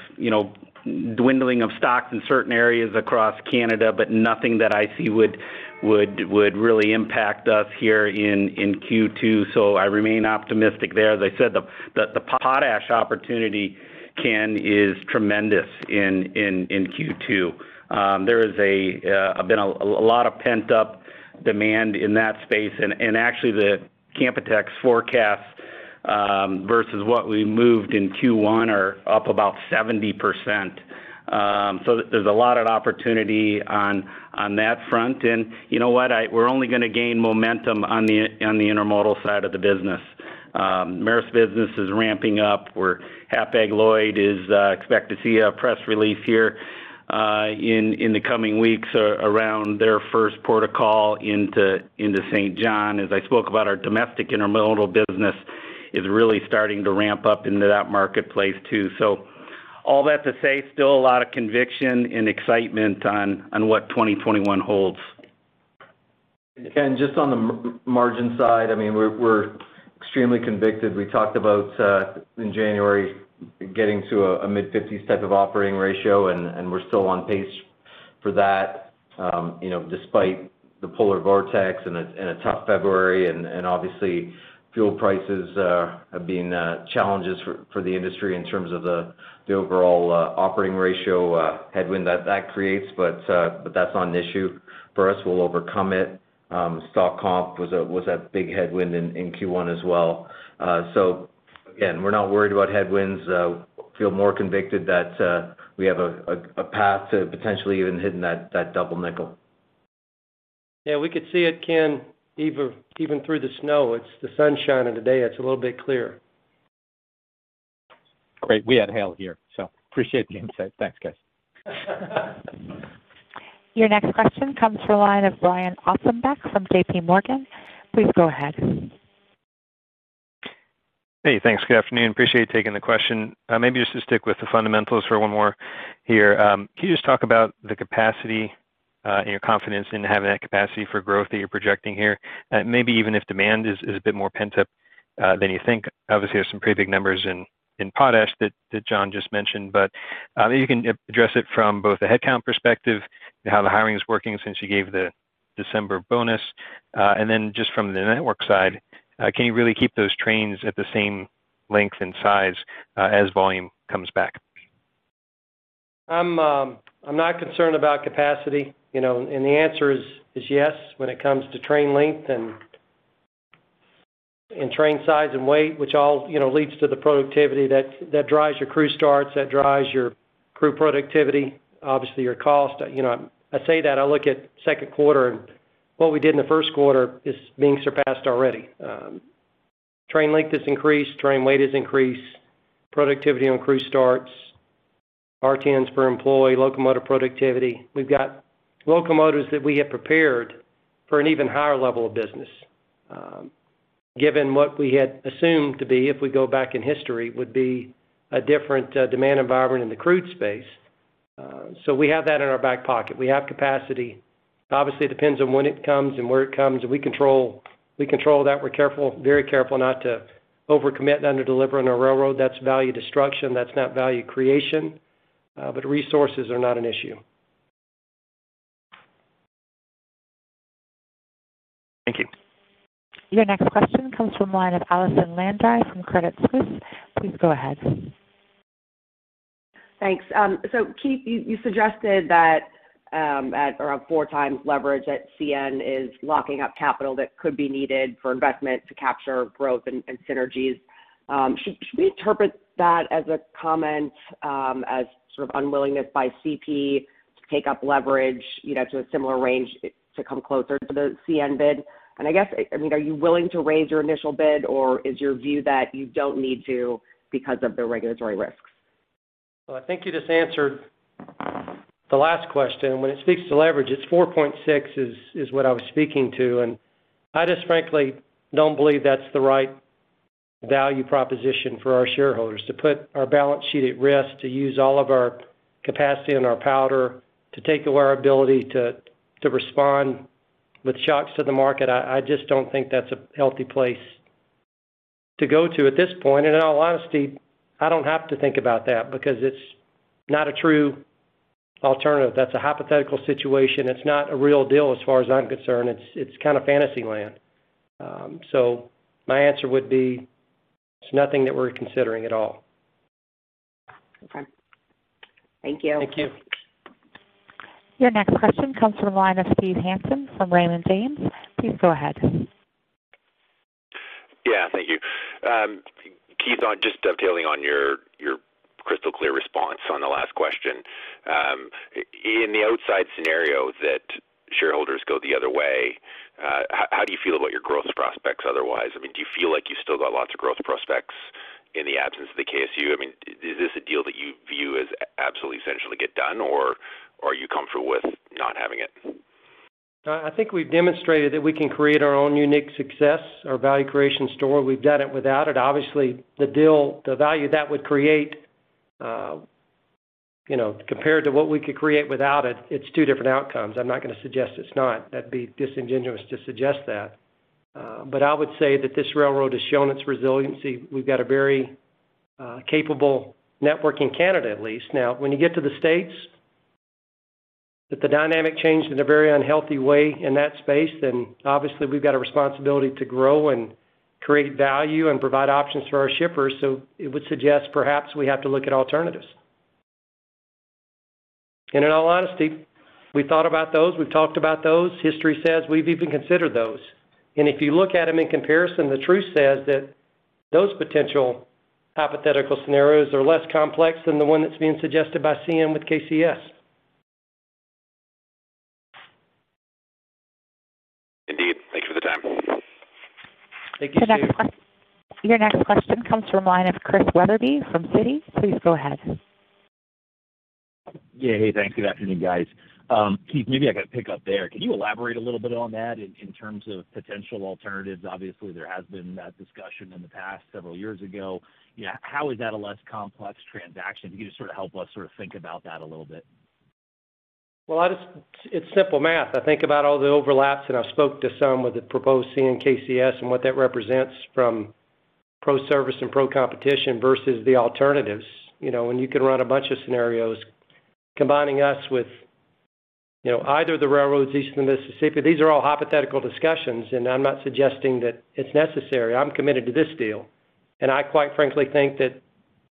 dwindling of stocks in certain areas across Canada, but nothing that I see would really impact us here in Q2. I remain optimistic there. As I said, the potash opportunity, Ken, is tremendous in Q2. There has been a lot of pent-up demand in that space, and actually, the Canpotex forecast versus what we moved in Q1 are up about 70%. There's a lot of opportunity on that front. You know what? We're only going to gain momentum on the intermodal side of the business. Maersk's business is ramping up, where Hapag-Lloyd is expected to see a press release here in the coming weeks around their first port of call into St. John's. As I spoke about our domestic intermodal business is really starting to ramp up into that marketplace, too. All that to say, still a lot of conviction and excitement on what 2021 holds. Just on the margin side, we're extremely convicted. We talked about in January getting to a mid-50s type of operating ratio. We're still on pace for that despite the polar vortex and a tough February. Obviously, fuel prices have been challenges for the industry in terms of the overall operating ratio headwind that that creates. That's not an issue for us. We'll overcome it. Stock comp was a big headwind in Q1 as well. Again, we're not worried about headwinds. Feel more convicted that we have a path to potentially even hitting that double nickel. Yeah, we could see it, Ken, even through the snow. It's the sunshine of the day. It's a little bit clearer. Great. We had hail here. Appreciate the insight. Thanks, guys. Your next question comes from the line of Brian Ossenbeck from JPMorgan. Please go ahead. Hey, thanks. Good afternoon. Appreciate taking the question. Just to stick with the fundamentals for one more here. Can you just talk about the capacity and your confidence in having that capacity for growth that you're projecting here? Even if demand is a bit more pent-up than you think. There's some pretty big numbers in potash that John just mentioned, maybe you can address it from both a headcount perspective and how the hiring is working since you gave the December bonus. Just from the network side, can you really keep those trains at the same length and size as volume comes back? I'm not concerned about capacity, and the answer is yes when it comes to train length and train size and weight, which all leads to the productivity that drives your crew starts, that drives your crew productivity, obviously your cost. I say that, I look at Q2, and what we did in Q1 is being surpassed already. Train length has increased, train weight has increased, productivity on crew starts, RTMs per employee, locomotive productivity. We've got locomotives that we have prepared for an even higher level of business, given what we had assumed to be, if we go back in history, would be a different demand environment in the crude space. We have that in our back pocket. We have capacity. Obviously, it depends on when it comes and where it comes, and we control that. We're very careful not to overcommit and underdeliver on a railroad. That's value destruction. That's not value creation. Resources are not an issue. Thank you. Your next question comes from the line of Allison Landry from Credit Suisse. Please go ahead. Thanks. Keith, you suggested that around 4x leverage at CN is locking up capital that could be needed for investment to capture growth and synergies. Should we interpret that as a comment as sort of unwillingness by CP to take up leverage to a similar range to come closer to the CN bid? I guess, are you willing to raise your initial bid, or is your view that you don't need to because of the regulatory risks? Well, I think you just answered the last question. When it speaks to leverage, it's 4.6 is what I was speaking to. I just frankly don't believe that's the right value proposition for our shareholders to put our balance sheet at risk, to use all of our capacity and our powder to take away our ability to respond with shocks to the market. I just don't think that's a healthy place to go to at this point. In all honesty, I don't have to think about that because it's not a true alternative. That's a hypothetical situation. It's not a real deal as far as I'm concerned. It's kind of fantasy land. My answer would be, it's nothing that we're considering at all. Okay. Thank you. Thank you. Your next question comes from the line of Steve Hansen from Raymond James. Please go ahead. Yeah, thank you. Keith, just dovetailing on your crystal clear response on the last question. In the outside scenario that shareholders go the other way, how do you feel about your growth prospects otherwise? Do you feel like you still got lots of growth prospects in the absence of the KCS? Is this a deal that you view as absolutely essential to get done, or are you comfortable with not having it? I think we've demonstrated that we can create our own unique success, our value creation story. We've done it without it. Obviously, the deal, the value that would create compared to what we could create without it's two different outcomes. I'm not going to suggest it's not. That'd be disingenuous to suggest that. I would say that this railroad has shown its resiliency. We've got a very capable network in Canada, at least. Now, when you get to the States, if the dynamic changed in a very unhealthy way in that space, then obviously we've got a responsibility to grow and create value and provide options for our shippers. It would suggest perhaps we have to look at alternatives. In all honesty, we thought about those, we've talked about those. History says we've even considered those. If you look at them in comparison, the truth says that those potential hypothetical scenarios are less complex than the one that's being suggested by CN with KCS. Indeed. Thank you for the time. Thank you, Steve. Your next question comes from the line of Chris Wetherbee from Citi. Please go ahead. Yeah. Hey, thanks. Good afternoon, guys. Keith, maybe I could pick up there. Can you elaborate a little bit on that in terms of potential alternatives? Obviously, there has been that discussion in the past several years ago. How is that a less complex transaction? Can you just help us think about that a little bit? It's simple math. I think about all the overlaps, and I spoke to some with the proposed CN KCS and what that represents from pro-service and pro-competition versus the alternatives. You can run a bunch of scenarios combining us with either the railroads east of the Mississippi. These are all hypothetical discussions, and I'm not suggesting that it's necessary. I'm committed to this deal, and I quite frankly think that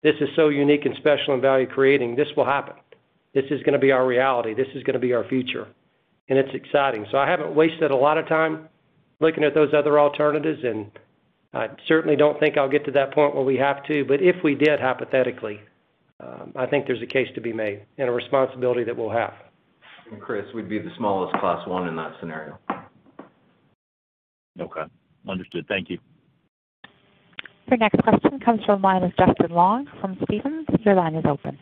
this is so unique and special and value creating, this will happen. This is going to be our reality. This is going to be our future, and it's exciting. I haven't wasted a lot of time looking at those other alternatives, and I certainly don't think I'll get to that point where we have to. If we did, hypothetically, I think there's a case to be made and a responsibility that we'll have. Chris, we'd be the smallest Class I in that scenario. Okay. Understood. Thank you. Your next question comes from the line of Justin Long from Stephens. Your line is open.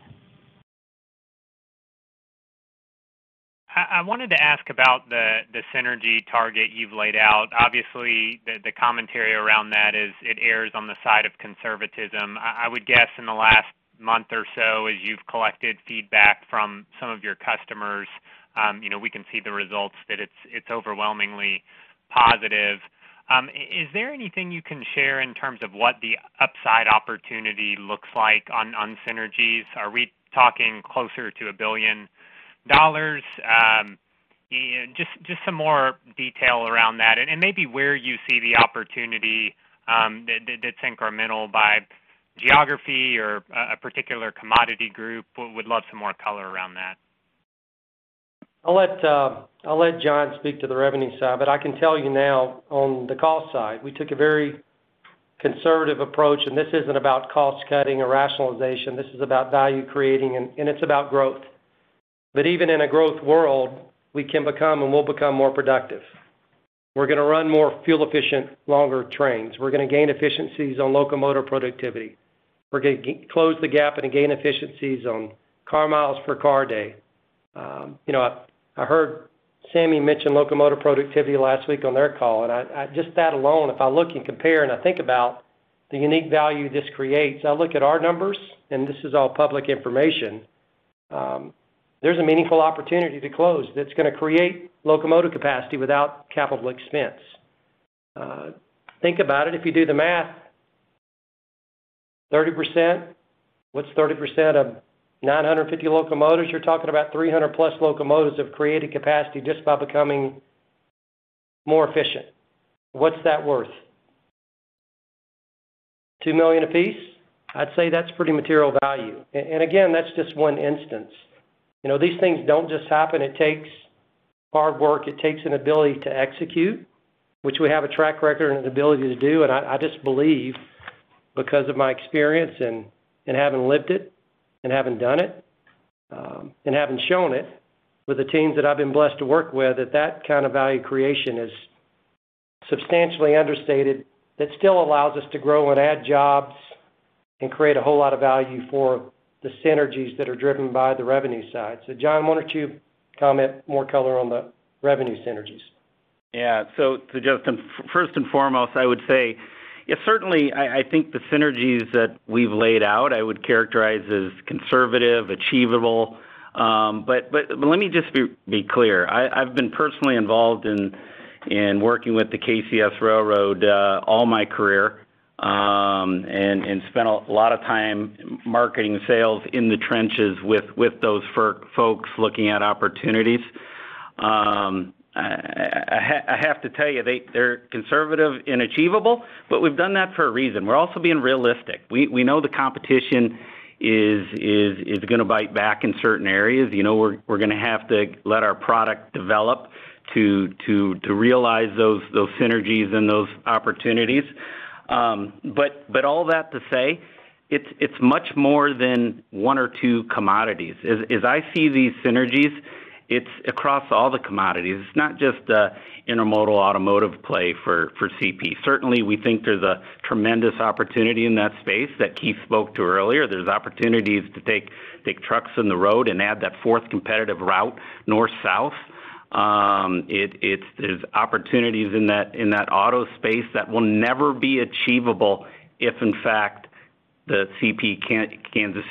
I wanted to ask about the synergy target you've laid out. The commentary around that is it errs on the side of conservatism. I would guess in the last month or so, as you've collected feedback from some of your customers, we can see the results that it's overwhelmingly positive. Is there anything you can share in terms of what the upside opportunity looks like on synergies? Are we talking closer to 1 billion dollars? Just some more detail around that and maybe where you see the opportunity that's incremental by geography or a particular commodity group. Would love some more color around that. I'll let John speak to the revenue side, but I can tell you now on the cost side, we took a very conservative approach, and this isn't about cost cutting or rationalization, this is about value creating, and it's about growth. Even in a growth world, we can become and will become more productive. We're going to run more fuel-efficient, longer trains. We're going to gain efficiencies on locomotive productivity. We're going to close the gap and gain efficiencies on car miles per car day. I heard Sammy mention locomotive productivity last week on their call, and just that alone, if I look and compare and I think about the unique value this creates, I look at our numbers, and this is all public information. There's a meaningful opportunity to close that's going to create locomotive capacity without capital expense. Think about it, if you do the math, 30%. What's 30% of 950 locomotives? You're talking about 300+ locomotives of created capacity just by becoming more efficient. What's that worth? 2 million a piece. I'd say that's pretty material value. Again, that's just one instance. These things don't just happen. It takes hard work. It takes an ability to execute, which we have a track record and an ability to do. I just believe because of my experience and having lived it and having done it and having shown it with the teams that I've been blessed to work with, that that kind of value creation is substantially understated, that still allows us to grow and add jobs and create a whole lot of value for the synergies that are driven by the revenue side. John, why don't you comment more color on the revenue synergies? Yeah. Justin, first and foremost, I would say, certainly, I think the synergies that we've laid out, I would characterize as conservative, achievable. Let me just be clear. I've been personally involved in working with the KCS Railroad all my career and spent a lot of time marketing sales in the trenches with those folks looking at opportunities. I have to tell you, they're conservative and achievable, but we've done that for a reason. We're also being realistic. We know the competition is going to bite back in certain areas. We're going to have to let our product develop to realize those synergies and those opportunities. All that to say, it's much more than one or two commodities. As I see these synergies, it's across all the commodities. It's not just the intermodal automotive play for CP. Certainly, we think there's a tremendous opportunity in that space that Keith spoke to earlier. There's opportunities to take trucks in the road and add that fourth competitive route, north-south. There's opportunities in that auto space that will never be achievable if, in fact, the CP Kansas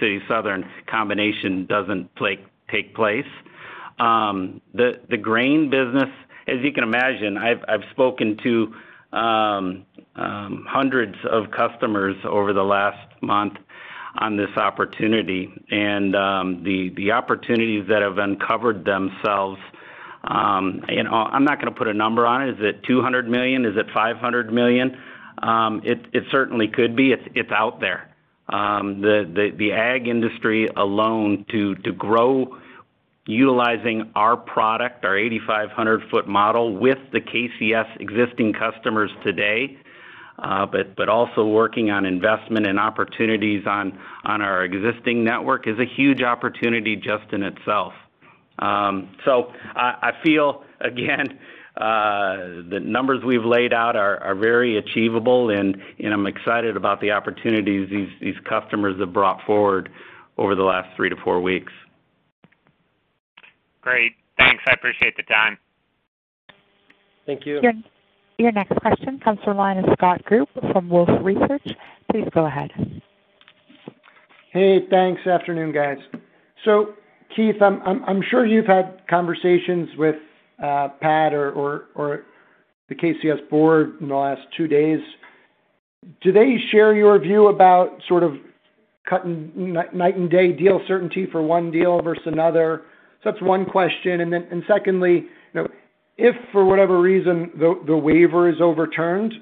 City Southern combination doesn't take place. The grain business, as you can imagine, I've spoken to hundreds of customers over the last month on this opportunity, and the opportunities that have uncovered themselves, I'm not going to put a number on it. Is it 200 million? Is it 500 million? It certainly could be. It's out there. The ag industry alone to grow utilizing our product, our 8,500-ft model with the KCS existing customers today, but also working on investment and opportunities on our existing network is a huge opportunity just in itself. I feel, again, the numbers we've laid out are very achievable, and I'm excited about the opportunities these customers have brought forward over the last three to four weeks. Great. Thanks. I appreciate the time. Thank you. Your next question comes from line of Scott Group from Wolfe Research. Please go ahead. Hey, thanks. Afternoon, guys. Keith, I'm sure you've had conversations with Pat or the KCS board in the last two days. Do they share your view about sort of cutting night-and-day deal certainty for one deal versus another? That's one question. Secondly, if for whatever reason, the waiver is overturned,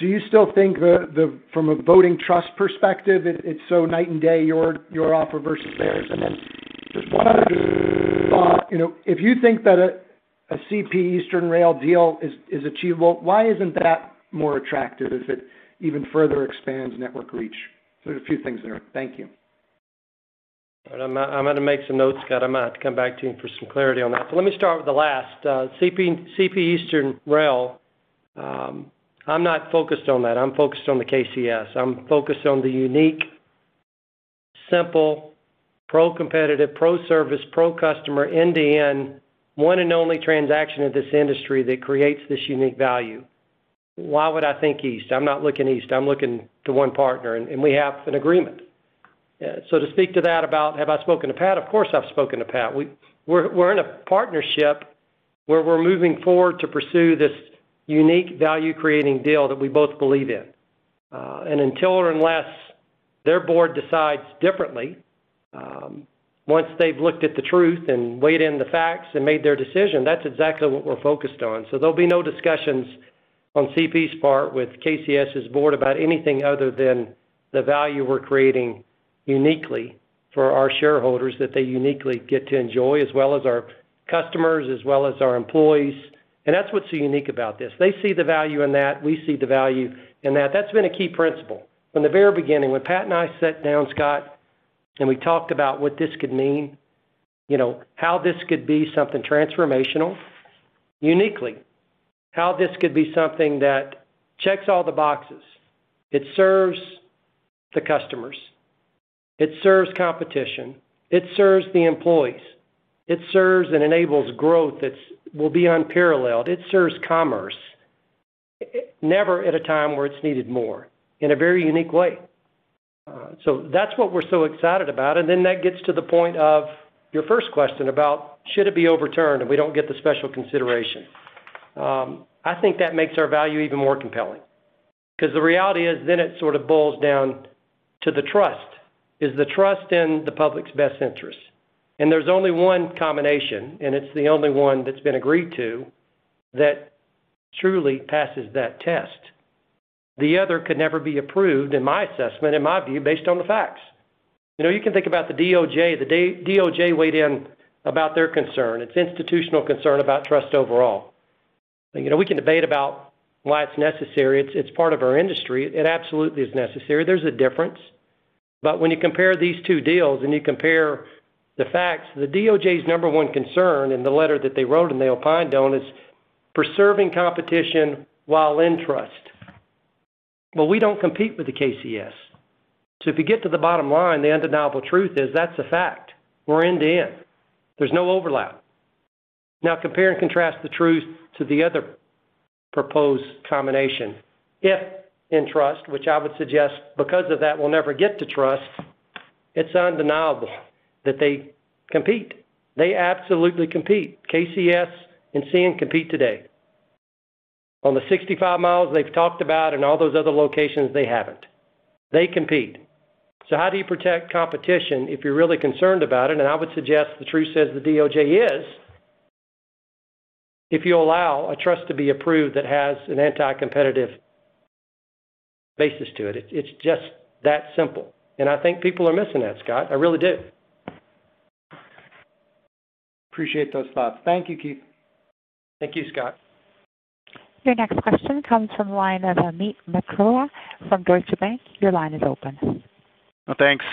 do you still think that from a voting trust perspective, it's so night and day, your offer versus theirs? Just one other thought. If you think that a CP Eastern Rail deal is achievable, why isn't that more attractive as it even further expands network reach? There's a few things there. Thank you. I'm going to make some notes, Scott. I might have to come back to you for some clarity on that. Let me start with the last. CP Eastern Rail. I'm not focused on that. I'm focused on the KCS. I'm focused on the unique, simple, pro-competitive, pro-service, pro-customer, end-to-end, one and only transaction in this industry that creates this unique value. Why would I think east? I'm not looking east. I'm looking to one partner, and we have an agreement. To speak to that about have I spoken to Pat, of course, I've spoken to Pat. We're in a partnership where we're moving forward to pursue this unique value-creating deal that we both believe in. Until or unless their board decides differently, once they've looked at the truth and weighed in the facts and made their decision, that's exactly what we're focused on. There'll be no discussions on CP's part with KCS's board about anything other than the value we're creating uniquely for our shareholders that they uniquely get to enjoy, as well as our customers, as well as our employees. That's what's so unique about this. They see the value in that. We see the value in that. That's been a key principle from the very beginning, when Pat and I sat down, Scott, and we talked about what this could mean, how this could be something transformational, uniquely, how this could be something that checks all the boxes. It serves the customers, it serves competition, it serves the employees. It serves and enables growth that will be unparalleled. It serves commerce, never at a time where it's needed more, in a very unique way. That's what we're so excited about, and then that gets to the point of your first question about should it be overturned and we don't get the special consideration. I think that makes our value even more compelling because the reality is then it sort of boils down to the trust. Is the trust in the public's best interest? There's only one combination, and it's the only one that's been agreed to that truly passes that test. The other could never be approved, in my assessment, in my view, based on the facts. You can think about the DOJ. The DOJ weighed in about their concern. It's institutional concern about trust overall. We can debate about why it's necessary. It's part of our industry. It absolutely is necessary. There's a difference. When you compare these two deals and you compare the facts, the DOJ's number one concern in the letter that they wrote and they opined on is preserving competition while in trust. Well, we don't compete with the KCS. If you get to the bottom line, the undeniable truth is that's a fact. We're end to end. There's no overlap. Now compare and contrast the truth to the other proposed combination. If in trust, which I would suggest because of that we'll never get to trust, it's undeniable that they compete. They absolutely compete. KCS and CN compete today. On the 65 mi they've talked about and all those other locations, they haven't. They compete. How do you protect competition if you're really concerned about it, and I would suggest the truth says the DOJ is, if you allow a trust to be approved that has an anti-competitive basis to it? It's just that simple. I think people are missing that, Scott. I really do. Appreciate those thoughts. Thank Thank you, Keith. Thank you, Scott. Your next question comes from the line of Amit Mehrotra from Deutsche Bank. Your line is open. Thanks.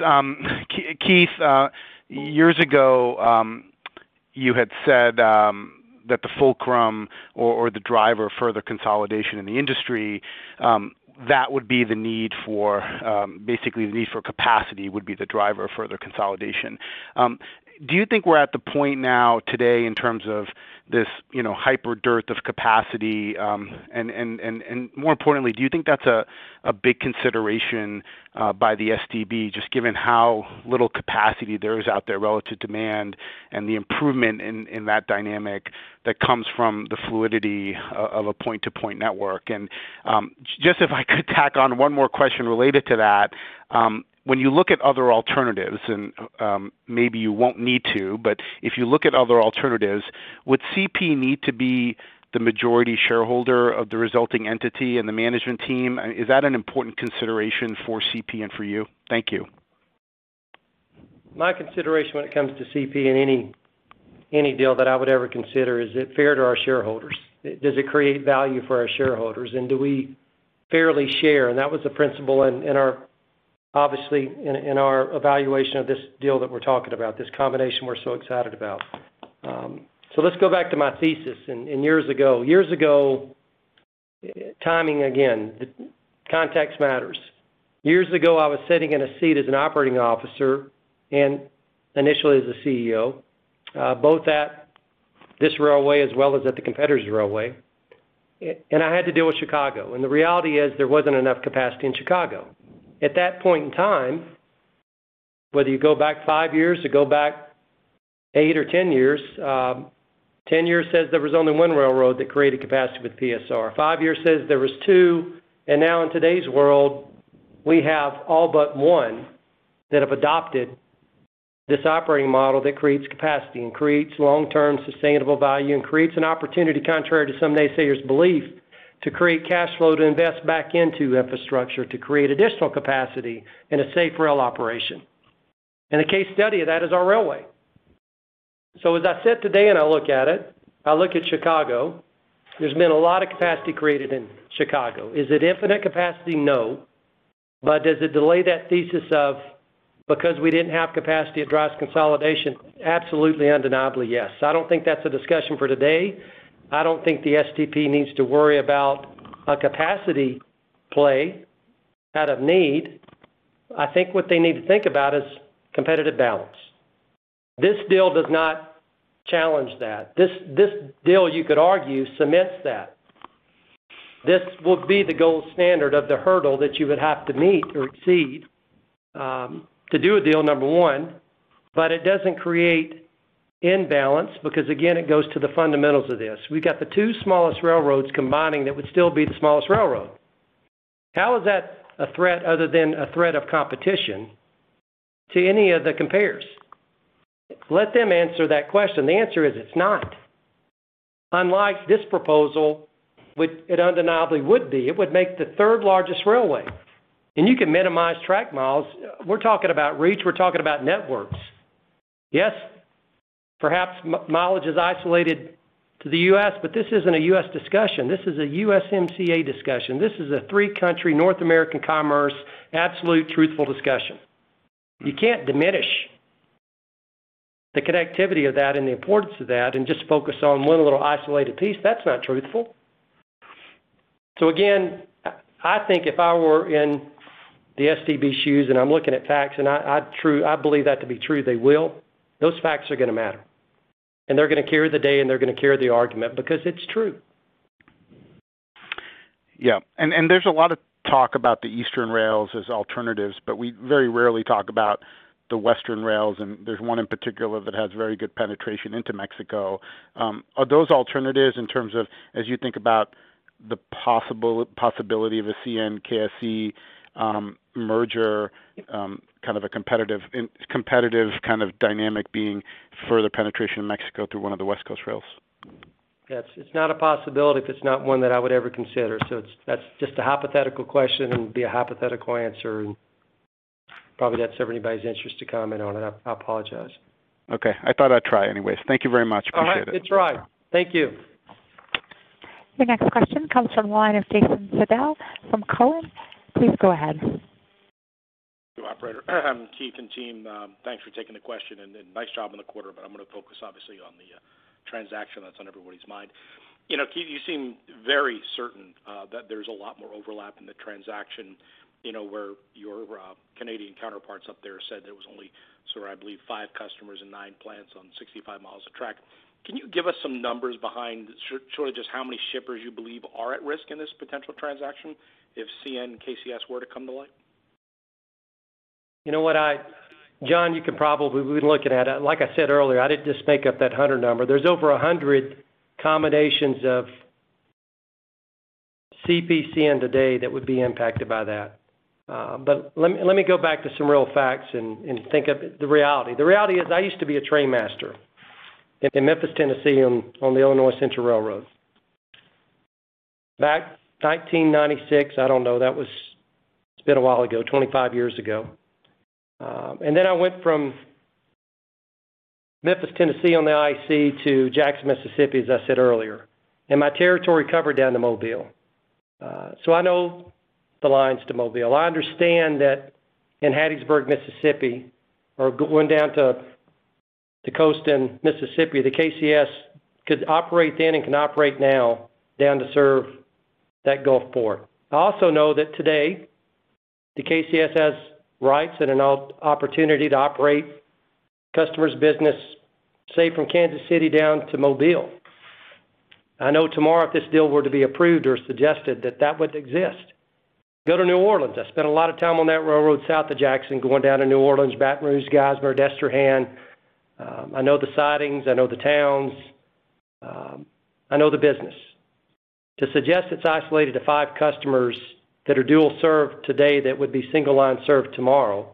Keith, years ago, you had said that the fulcrum or the driver for the consolidation in the industry, that would be basically the need for capacity would be the driver for the consolidation. Do you think we're at the point now today in terms of this hyper dearth of capacity, and more importantly, do you think that's a big consideration by the STB, just given how little capacity there is out there relative to demand and the improvement in that dynamic that comes from the fluidity of a point-to-point network? Just if I could tack on one more question related to that, when you look at other alternatives, and maybe you won't need to, but if you look at other alternatives, would CP need to be the majority shareholder of the resulting entity and the management team? Is that an important consideration for CP and for you? Thank you. My consideration when it comes to CP and any deal that I would ever consider, is it fair to our shareholders? Does it create value for our shareholders, and do we fairly share? That was the principle, obviously, in our evaluation of this deal that we're talking about, this combination we're so excited about. Let's go back to my thesis and years ago. Years ago, timing again, context matters. Years ago, I was sitting in a seat as an operating officer and initially as a CEO, both at this railway as well as at the competitor's railway. I had to deal with Chicago. The reality is there wasn't enough capacity in Chicago. At that point in time, whether you go back five years or go back eight or 10 years, 10 years says there was only one railroad that created capacity with PSR. Five years says there was two, now in today's world, we have all but one that have adopted this operating model that creates capacity and creates long-term sustainable value and creates an opportunity, contrary to some naysayers' belief, to create cash flow to invest back into infrastructure, to create additional capacity and a safe rail operation. A case study of that is our railway. As I sit today and I look at it, I look at Chicago, there's been a lot of capacity created in Chicago. Is it infinite capacity? No. But does it delay that thesis of because we didn't have capacity, it drives consolidation? Absolutely, undeniably yes. I don't think that's a discussion for today. I don't think the STB needs to worry about a capacity play out of need. I think what they need to think about is competitive balance. This deal does not challenge that. This deal, you could argue, cements that. This will be the gold standard of the hurdle that you would have to meet or exceed to do a deal, number one, but it doesn't create imbalance because, again, it goes to the fundamentals of this. We got the two smallest railroads combining that would still be the smallest railroad. How is that a threat other than a threat of competition to any of the competitors? Let them answer that question. The answer is it's not. Unlike this proposal, it undeniably would be. It would make the third-largest railway. You can minimize track miles. We're talking about reach, we're talking about networks. Yes, perhaps mileage is isolated to the U.S., this isn't a U.S. discussion. This is a USMCA discussion. This is a three-country, North American commerce, absolute truthful discussion. You can't diminish the connectivity of that and the importance of that and just focus on one little isolated piece. That's not truthful. Again, I think if I were in the STB's shoes and I'm looking at facts, and I believe that to be true, they will, those facts are going to matter, and they're going to carry the day, and they're going to carry the argument because it's true. Yeah. There's a lot of talk about the eastern rails as alternatives. We very rarely talk about the western rails. There's one in particular that has very good penetration into Mexico. Are those alternatives in terms of, as you think about the possibility of a CN KCS merger, a competitive kind of dynamic being further penetration in Mexico through one of the West Coast rails? Yes. It's not a possibility if it's not one that I would ever consider. That's just a hypothetical question and would be a hypothetical answer, and probably not serve anybody's interest to comment on it. I apologize. Okay. I thought I'd try anyways. Thank you very much. Appreciate it. All right. It's all right. Thank you. The next question comes from the line of Jason Seidl from Cowen. Please go ahead. Thank you, operator. Keith and team, thanks for taking the question and nice job on the quarter. I'm going to focus obviously on the transaction that's on everybody's mind. Keith, you seem very certain that there's a lot more overlap in the transaction, where your Canadian counterparts up there said there was only, sorry, I believe five customers and nine plants on 65 mi of track. Can you give us some numbers behind just how many shippers you believe are at risk in this potential transaction if CN and KCS were to come to light? You know what, John, we've been looking at it. Like I said earlier, I didn't just make up that 100 number. There's over 100 combinations of CPKC today that would be impacted by that. Let me go back to some real facts and think of the reality. The reality is I used to be a trainmaster in Memphis, Tennessee, on the Illinois Central Railroad. Back 1996, I don't know, it's been a while ago, 25 years ago. I went from Memphis, Tennessee, on the IC to Jackson, Mississippi, as I said earlier. My territory covered down to Mobile. I know the lines to Mobile. I understand that in Hattiesburg, Mississippi, or going down to the coast in Mississippi, the KCS could operate then and can operate now down to serve that Gulfport. I also know that today, the KCS has rights and an opportunity to operate customers' business, say, from Kansas City down to Mobile. I know tomorrow, if this deal were to be approved or suggested, that that would exist. Go to New Orleans. I spent a lot of time on that railroad south of Jackson, going down to New Orleans, Baton Rouge, Gautier, Destrehan. I know the sidings, I know the towns, I know the business. To suggest it is isolated to five customers that are dual-served today that would be single-line served tomorrow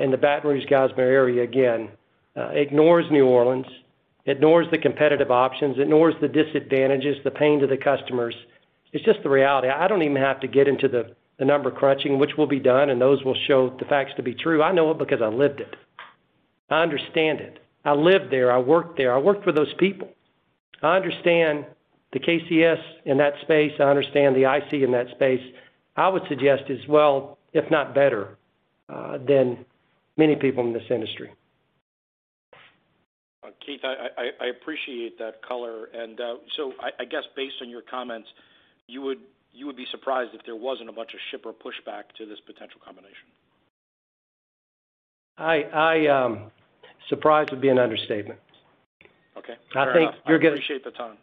in the Baton Rouge, Gautier area, again, ignores New Orleans. It ignores the competitive options. It ignores the disadvantages, the pain to the customers. It is just the reality. I do not even have to get into the number crunching, which will be done, and those will show the facts to be true. I know it because I lived it. I understand it. I lived there. I worked there. I worked with those people. I understand the KCS in that space. I understand the IC in that space. I would suggest it's as well, if not better, than many people in this industry. Keith, I appreciate that color. I guess based on your comments, you would be surprised if there wasn't a bunch of shipper pushback to this potential combination. Surprised would be an understatement. Okay. Fair enough. I think you're. I appreciate the time.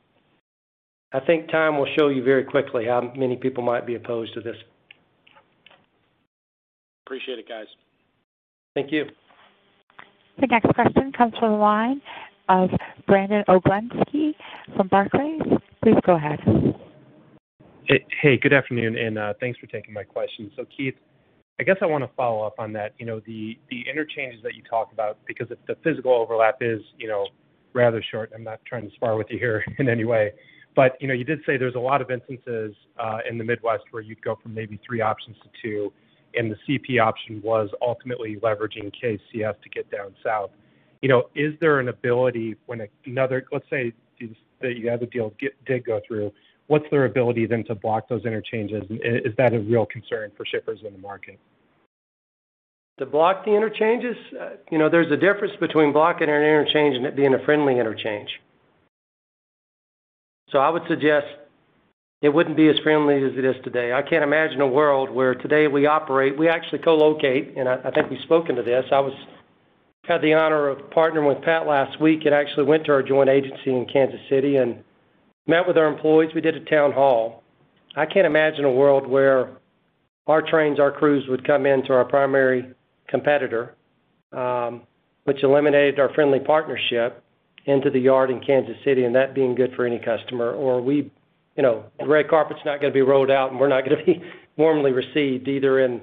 I think time will show you very quickly how many people might be opposed to this. Appreciate it, guys. Thank you. The next question comes from the line of Brandon Oglenski from Barclays. Please go ahead. Hey, good afternoon, and thanks for taking my question. Keith, I guess I want to follow up on that. The interchanges that you talk about, because the physical overlap is rather short. I'm not trying to spar with you here in any way. You did say there's a lot of instances in the Midwest where you'd go from maybe three options to two, and the CP option was ultimately leveraging KCS to get down south. Is there an ability when, let's say you have a deal, did go through, what's their ability then to block those interchanges? Is that a real concern for shippers in the market? To block the interchanges? There's a difference between blocking an interchange and it being a friendly interchange. I would suggest it wouldn't be as friendly as it is today. I can't imagine a world where today we operate, we actually co-locate, and I think we've spoken to this. I had the honor of partnering with Pat last week and actually went to our joint agency in Kansas City and met with our employees. We did a town hall. I can't imagine a world where our trains, our crews would come in to our primary competitor, which eliminated our friendly partnership into the yard in Kansas City, and that being good for any customer. The red carpet's not going to be rolled out and we're not going to be warmly received either in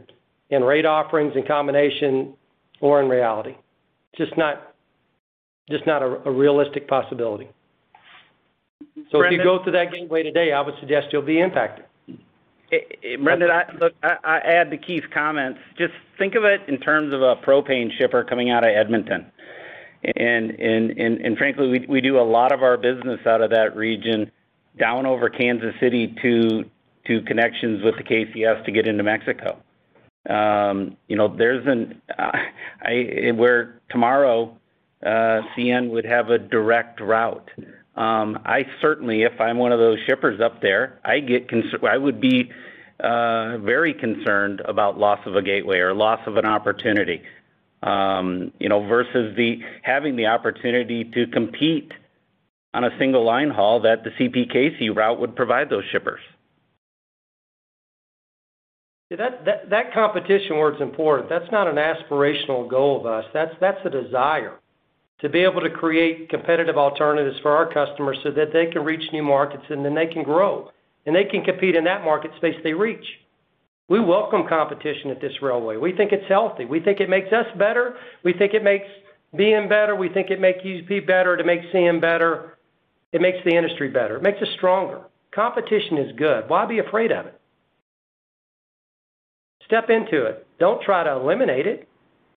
rate offerings, in combination, or in reality. Just not a realistic possibility. If you go through that gateway today, I would suggest you'll be impacted. Brandon, look, I add to Keith's comments. Just think of it in terms of a propane shipper coming out of Edmonton. Frankly, we do a lot of our business out of that region down over Kansas City to connections with the KCS to get into Mexico. Where tomorrow, CN would have a direct route. I certainly, if I'm one of those shippers up there, I would be very concerned about loss of a gateway or loss of an opportunity, versus having the opportunity to compete on a single line haul that the CPKC route would provide those shippers. Yeah, that competition word's important. That's not an aspirational goal of us. That's a desire to be able to create competitive alternatives for our customers so that they can reach new markets and then they can grow, and they can compete in that market space they reach. We welcome competition at this railway. We think it's healthy. We think it makes us better. We think it makes BNSF better. We think it makes UP better, it makes CN better. It makes the industry better. It makes us stronger. Competition is good. Why be afraid of it? Step into it. Don't try to eliminate it.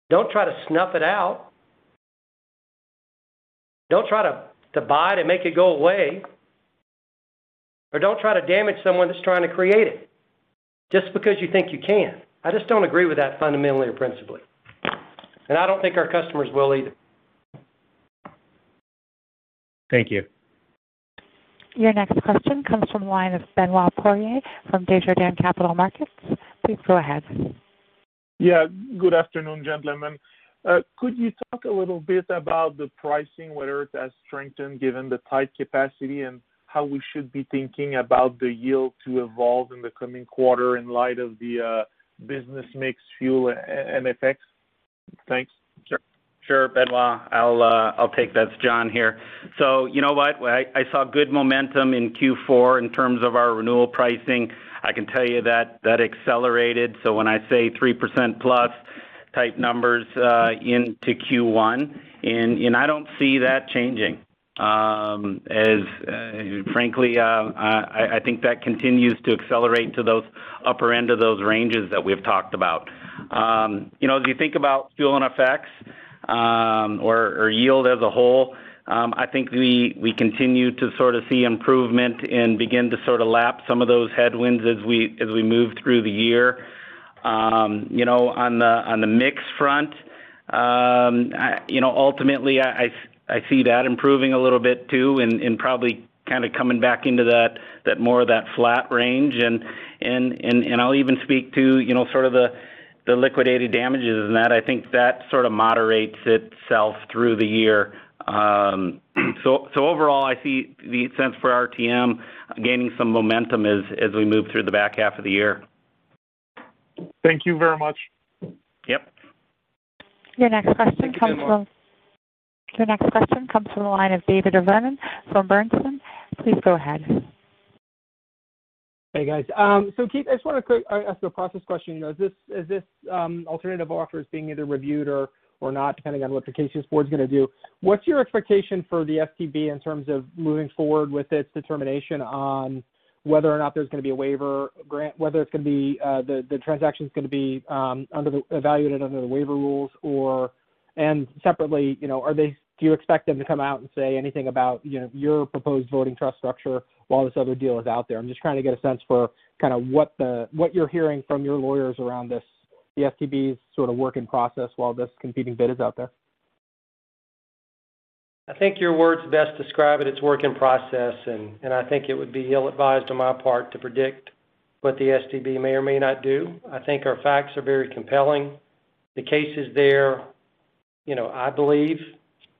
Don't try to snuff it out. Don't try to buy to make it go away. Don't try to damage someone that's trying to create it just because you think you can. I just don't agree with that fundamentally or principally, and I don't think our customers will either. Thank you. Your next question comes from the line of Benoit Poirier from Desjardins Capital Markets. Please go ahead. Yeah, good afternoon, gentlemen. Could you talk a little bit about the pricing, whether it has strengthened given the tight capacity, and how we should be thinking about the yield to evolve in the coming quarter in light of the business mix fuel and effects? Thanks. Sure, Benoit. I'll take that. It's John here. You know what? I saw good momentum in Q4 in terms of our renewal pricing. I can tell you that that accelerated, so when I say 3%+ type numbers, into Q1. I don't see that changing. Frankly, I think that continues to accelerate to those upper end of those ranges that we've talked about. As you think about fuel and FX, or yield as a whole, I think we continue to sort of see improvement and begin to sort of lap some of those headwinds as we move through the year. On the mix front, ultimately, I see that improving a little bit too and probably kind of coming back into more of that flat range. I'll even speak to sort of the liquidated damages and that. I think that sort of moderates itself through the year. Overall, I see the cents per RTM gaining some momentum as we move through the back half of the year. Thank you very much. Yep. Your next question comes from. Thank you so much. Your next question comes from the line of David Vernon from Bernstein. Please go ahead. Hey, guys. Keith, I just want to quick ask you a process question. Is this alternative offers being either reviewed or not, depending on what the KCS board is going to do, what's your expectation for the STB in terms of moving forward with its determination on whether or not there's going to be a waiver grant, whether the transaction's going to be evaluated under the waiver rules. Separately, do you expect them to come out and say anything about your proposed voting trust structure while this other deal is out there? I'm just trying to get a sense for kind of what you're hearing from your lawyers around this, the STB's sort of work in process while this competing bid is out there. I think your words best describe it. It's work in process, and I think it would be ill-advised on my part to predict what the STB may or may not do. I think our facts are very compelling. The case is there. I believe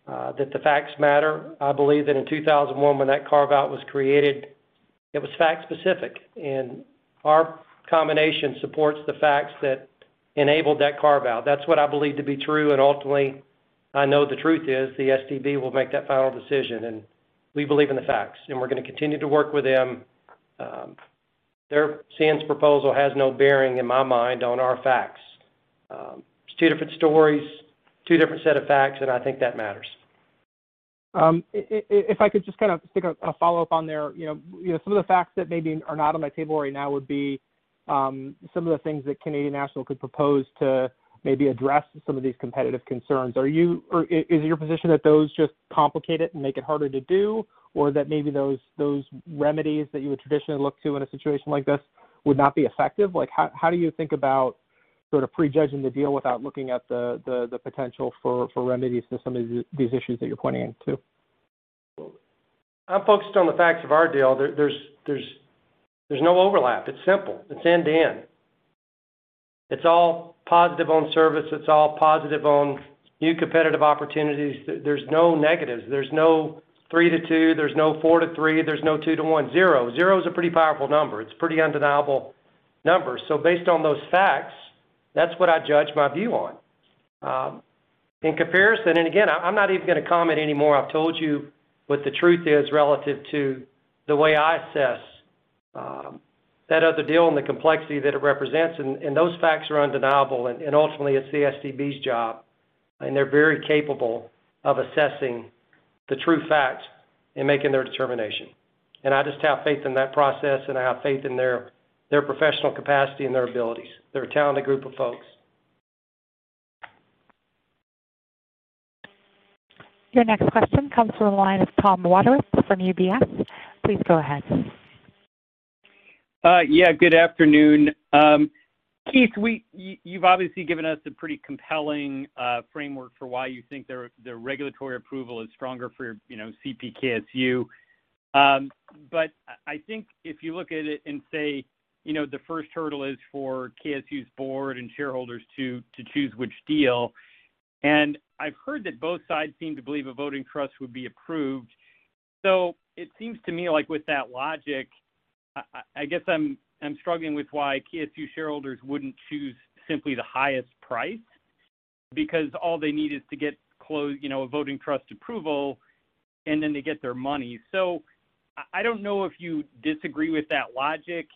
that the facts matter. I believe that in 2001 when that carve-out was created, it was fact-specific, and our combination supports the facts that enabled that carve-out. That's what I believe to be true, and ultimately, I know the truth is the STB will make that final decision, and we believe in the facts, and we're going to continue to work with them. CN's proposal has no bearing, in my mind, on our facts. It's two different stories, two different set of facts, and I think that matters. If I could just kind of take a follow-up on there. Some of the facts that maybe are not on my table right now would be some of the things that Canadian National could propose to maybe address some of these competitive concerns. Is it your position that those just complicate it and make it harder to do? Or that maybe those remedies that you would traditionally look to in a situation like this would not be effective? How do you think about sort of prejudging the deal without looking at the potential for remedies to some of these issues that you're pointing to? I'm focused on the facts of our deal. There's no overlap. It's simple. It's end-to-end. It's all positive on service. It's all positive on new competitive opportunities. There's no negatives. There's no three to two. There's no four to three. There's no two to one. Zero. Zero is a pretty powerful number. It's a pretty undeniable number. Based on those facts, that's what I judge my view on. In comparison, again, I'm not even going to comment anymore. I've told you what the truth is relative to the way I assess that other deal and the complexity that it represents, and those facts are undeniable, and ultimately it's the STB's job, and they're very capable of assessing the true facts and making their determination. I just have faith in that process, and I have faith in their professional capacity and their abilities. They're a talented group of folks. Your next question comes from the line of Tom Wadewitz from UBS. Please go ahead. Yeah, good afternoon. Keith, you've obviously given us a pretty compelling framework for why you think the regulatory approval is stronger for CP/KSU. I think if you look at it and say the first hurdle is for KCS's board and shareholders to choose which deal, and I've heard that both sides seem to believe a voting trust would be approved. It seems to me like with that logic, I guess I'm struggling with why KCS shareholders wouldn't choose simply the highest price, because all they need is to get a voting trust approval, and then they get their money. I don't know if you disagree with that logic,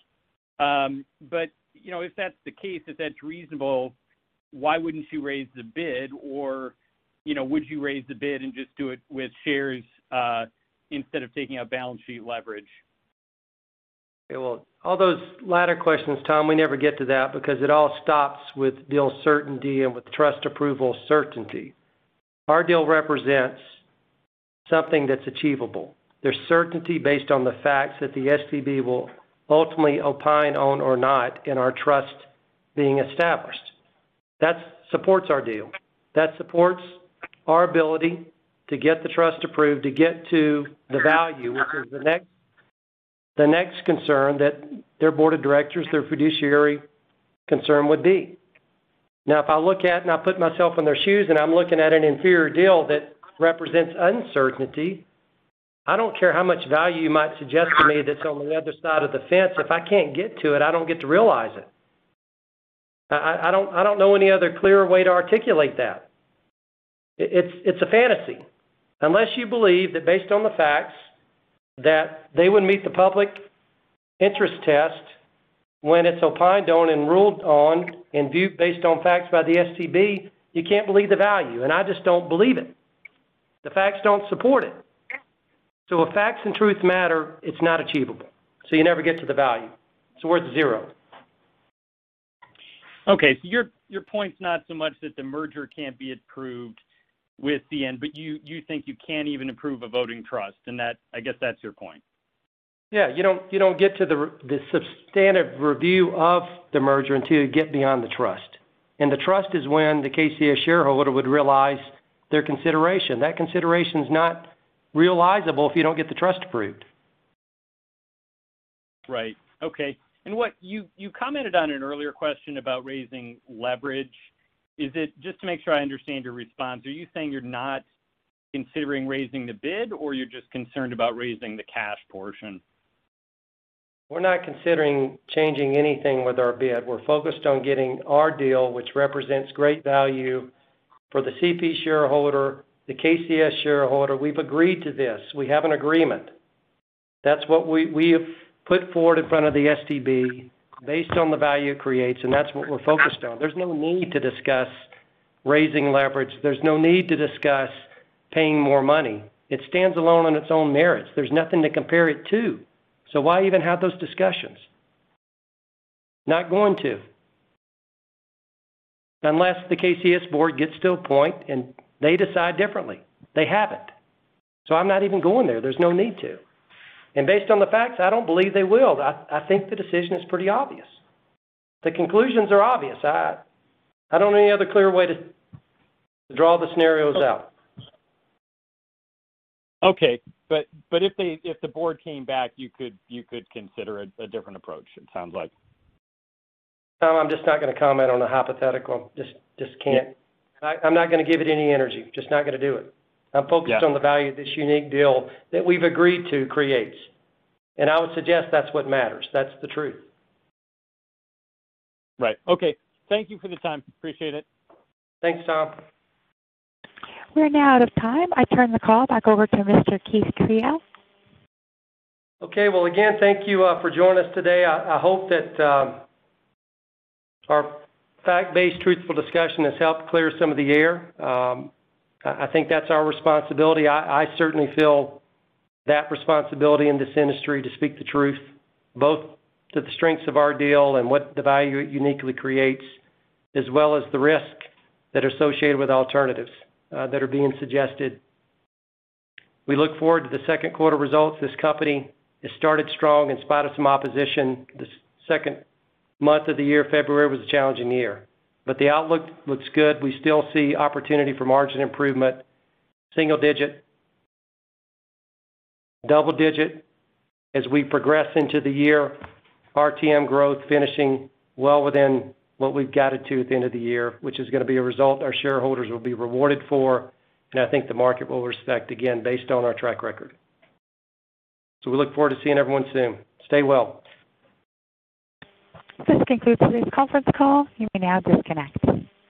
if that's the case, if that's reasonable, why wouldn't you raise the bid? Would you raise the bid and just do it with shares instead of taking a balance sheet leverage? Okay, well, all those latter questions, Tom, we never get to that because it all stops with deal certainty and with trust approval certainty. Our deal represents something that's achievable. There's certainty based on the facts that the STB will ultimately opine on or not in our trust being established. That supports our deal. That supports our ability to get the trust approved, to get to the value, which is the next concern that their board of directors, their fiduciary concern would be. Now, if I look at and I put myself in their shoes and I'm looking at an inferior deal that represents uncertainty, I don't care how much value you might suggest to me that's on the other side of the fence. If I can't get to it, I don't get to realize it. I don't know any other clearer way to articulate that. It's a fantasy. Unless you believe that based on the facts that they would meet the public interest test when it's opined on and ruled on and viewed based on facts by the STB, you can't believe the value, and I just don't believe it. The facts don't support it. If facts and truth matter, it's not achievable. You never get to the value. It's worth zero. Your point's not so much that the merger can't be approved with the end, but you think you can't even approve a voting trust, and I guess that's your point. Yeah. You don't get to the substantive review of the merger until you get beyond the trust. The trust is when the KCS shareholder would realize their consideration. That consideration's not realizable if you don't get the trust approved. Right. Okay. You commented on an earlier question about raising leverage. Just to make sure I understand your response, are you saying you're not considering raising the bid, or you're just concerned about raising the cash portion? We're not considering changing anything with our bid. We're focused on getting our deal, which represents great value for the CP shareholder, the KCS shareholder. We've agreed to this. We have an agreement. That's what we have put forward in front of the STB based on the value it creates, and that's what we're focused on. There's no need to discuss raising leverage. There's no need to discuss paying more money. It stands alone on its own merits. There's nothing to compare it to. Why even have those discussions? Not going to, unless the KCS board gets to a point and they decide differently. They haven't. I'm not even going there. There's no need to. Based on the facts, I don't believe they will. I think the decision is pretty obvious. The conclusions are obvious. I don't know any other clearer way to draw the scenarios out. Okay. If the board came back, you could consider a different approach, it sounds like. Tom, I'm just not going to comment on a hypothetical. Just can't. I'm not going to give it any energy, just not going to do it. Yeah. I'm focused on the value of this unique deal that we've agreed to create, and I would suggest that's what matters. That's the truth. Right. Okay. Thank you for the time. Appreciate it. Thanks, Tom. We're now out of time. I turn the call back over to Mr. Keith Creel. Okay. Well, again, thank you for joining us today. I hope that our fact-based, truthful discussion has helped clear some of the air. I think that's our responsibility. I certainly feel that responsibility in this industry to speak the truth, both to the strengths of our deal and what the value it uniquely creates, as well as the risk that are associated with alternatives that are being suggested. We look forward to the second quarter results. This company has started strong in spite of some opposition. The second month of the year, February, was a challenging year. The outlook looks good. We still see opportunity for margin improvement, single digit, double digit as we progress into the year, RTM growth finishing well within what we've guided to at the end of the year, which is going to be a result our shareholders will be rewarded for, and I think the market will respect, again, based on our track record. We look forward to seeing everyone soon. Stay well. This concludes today's conference call. You may now disconnect.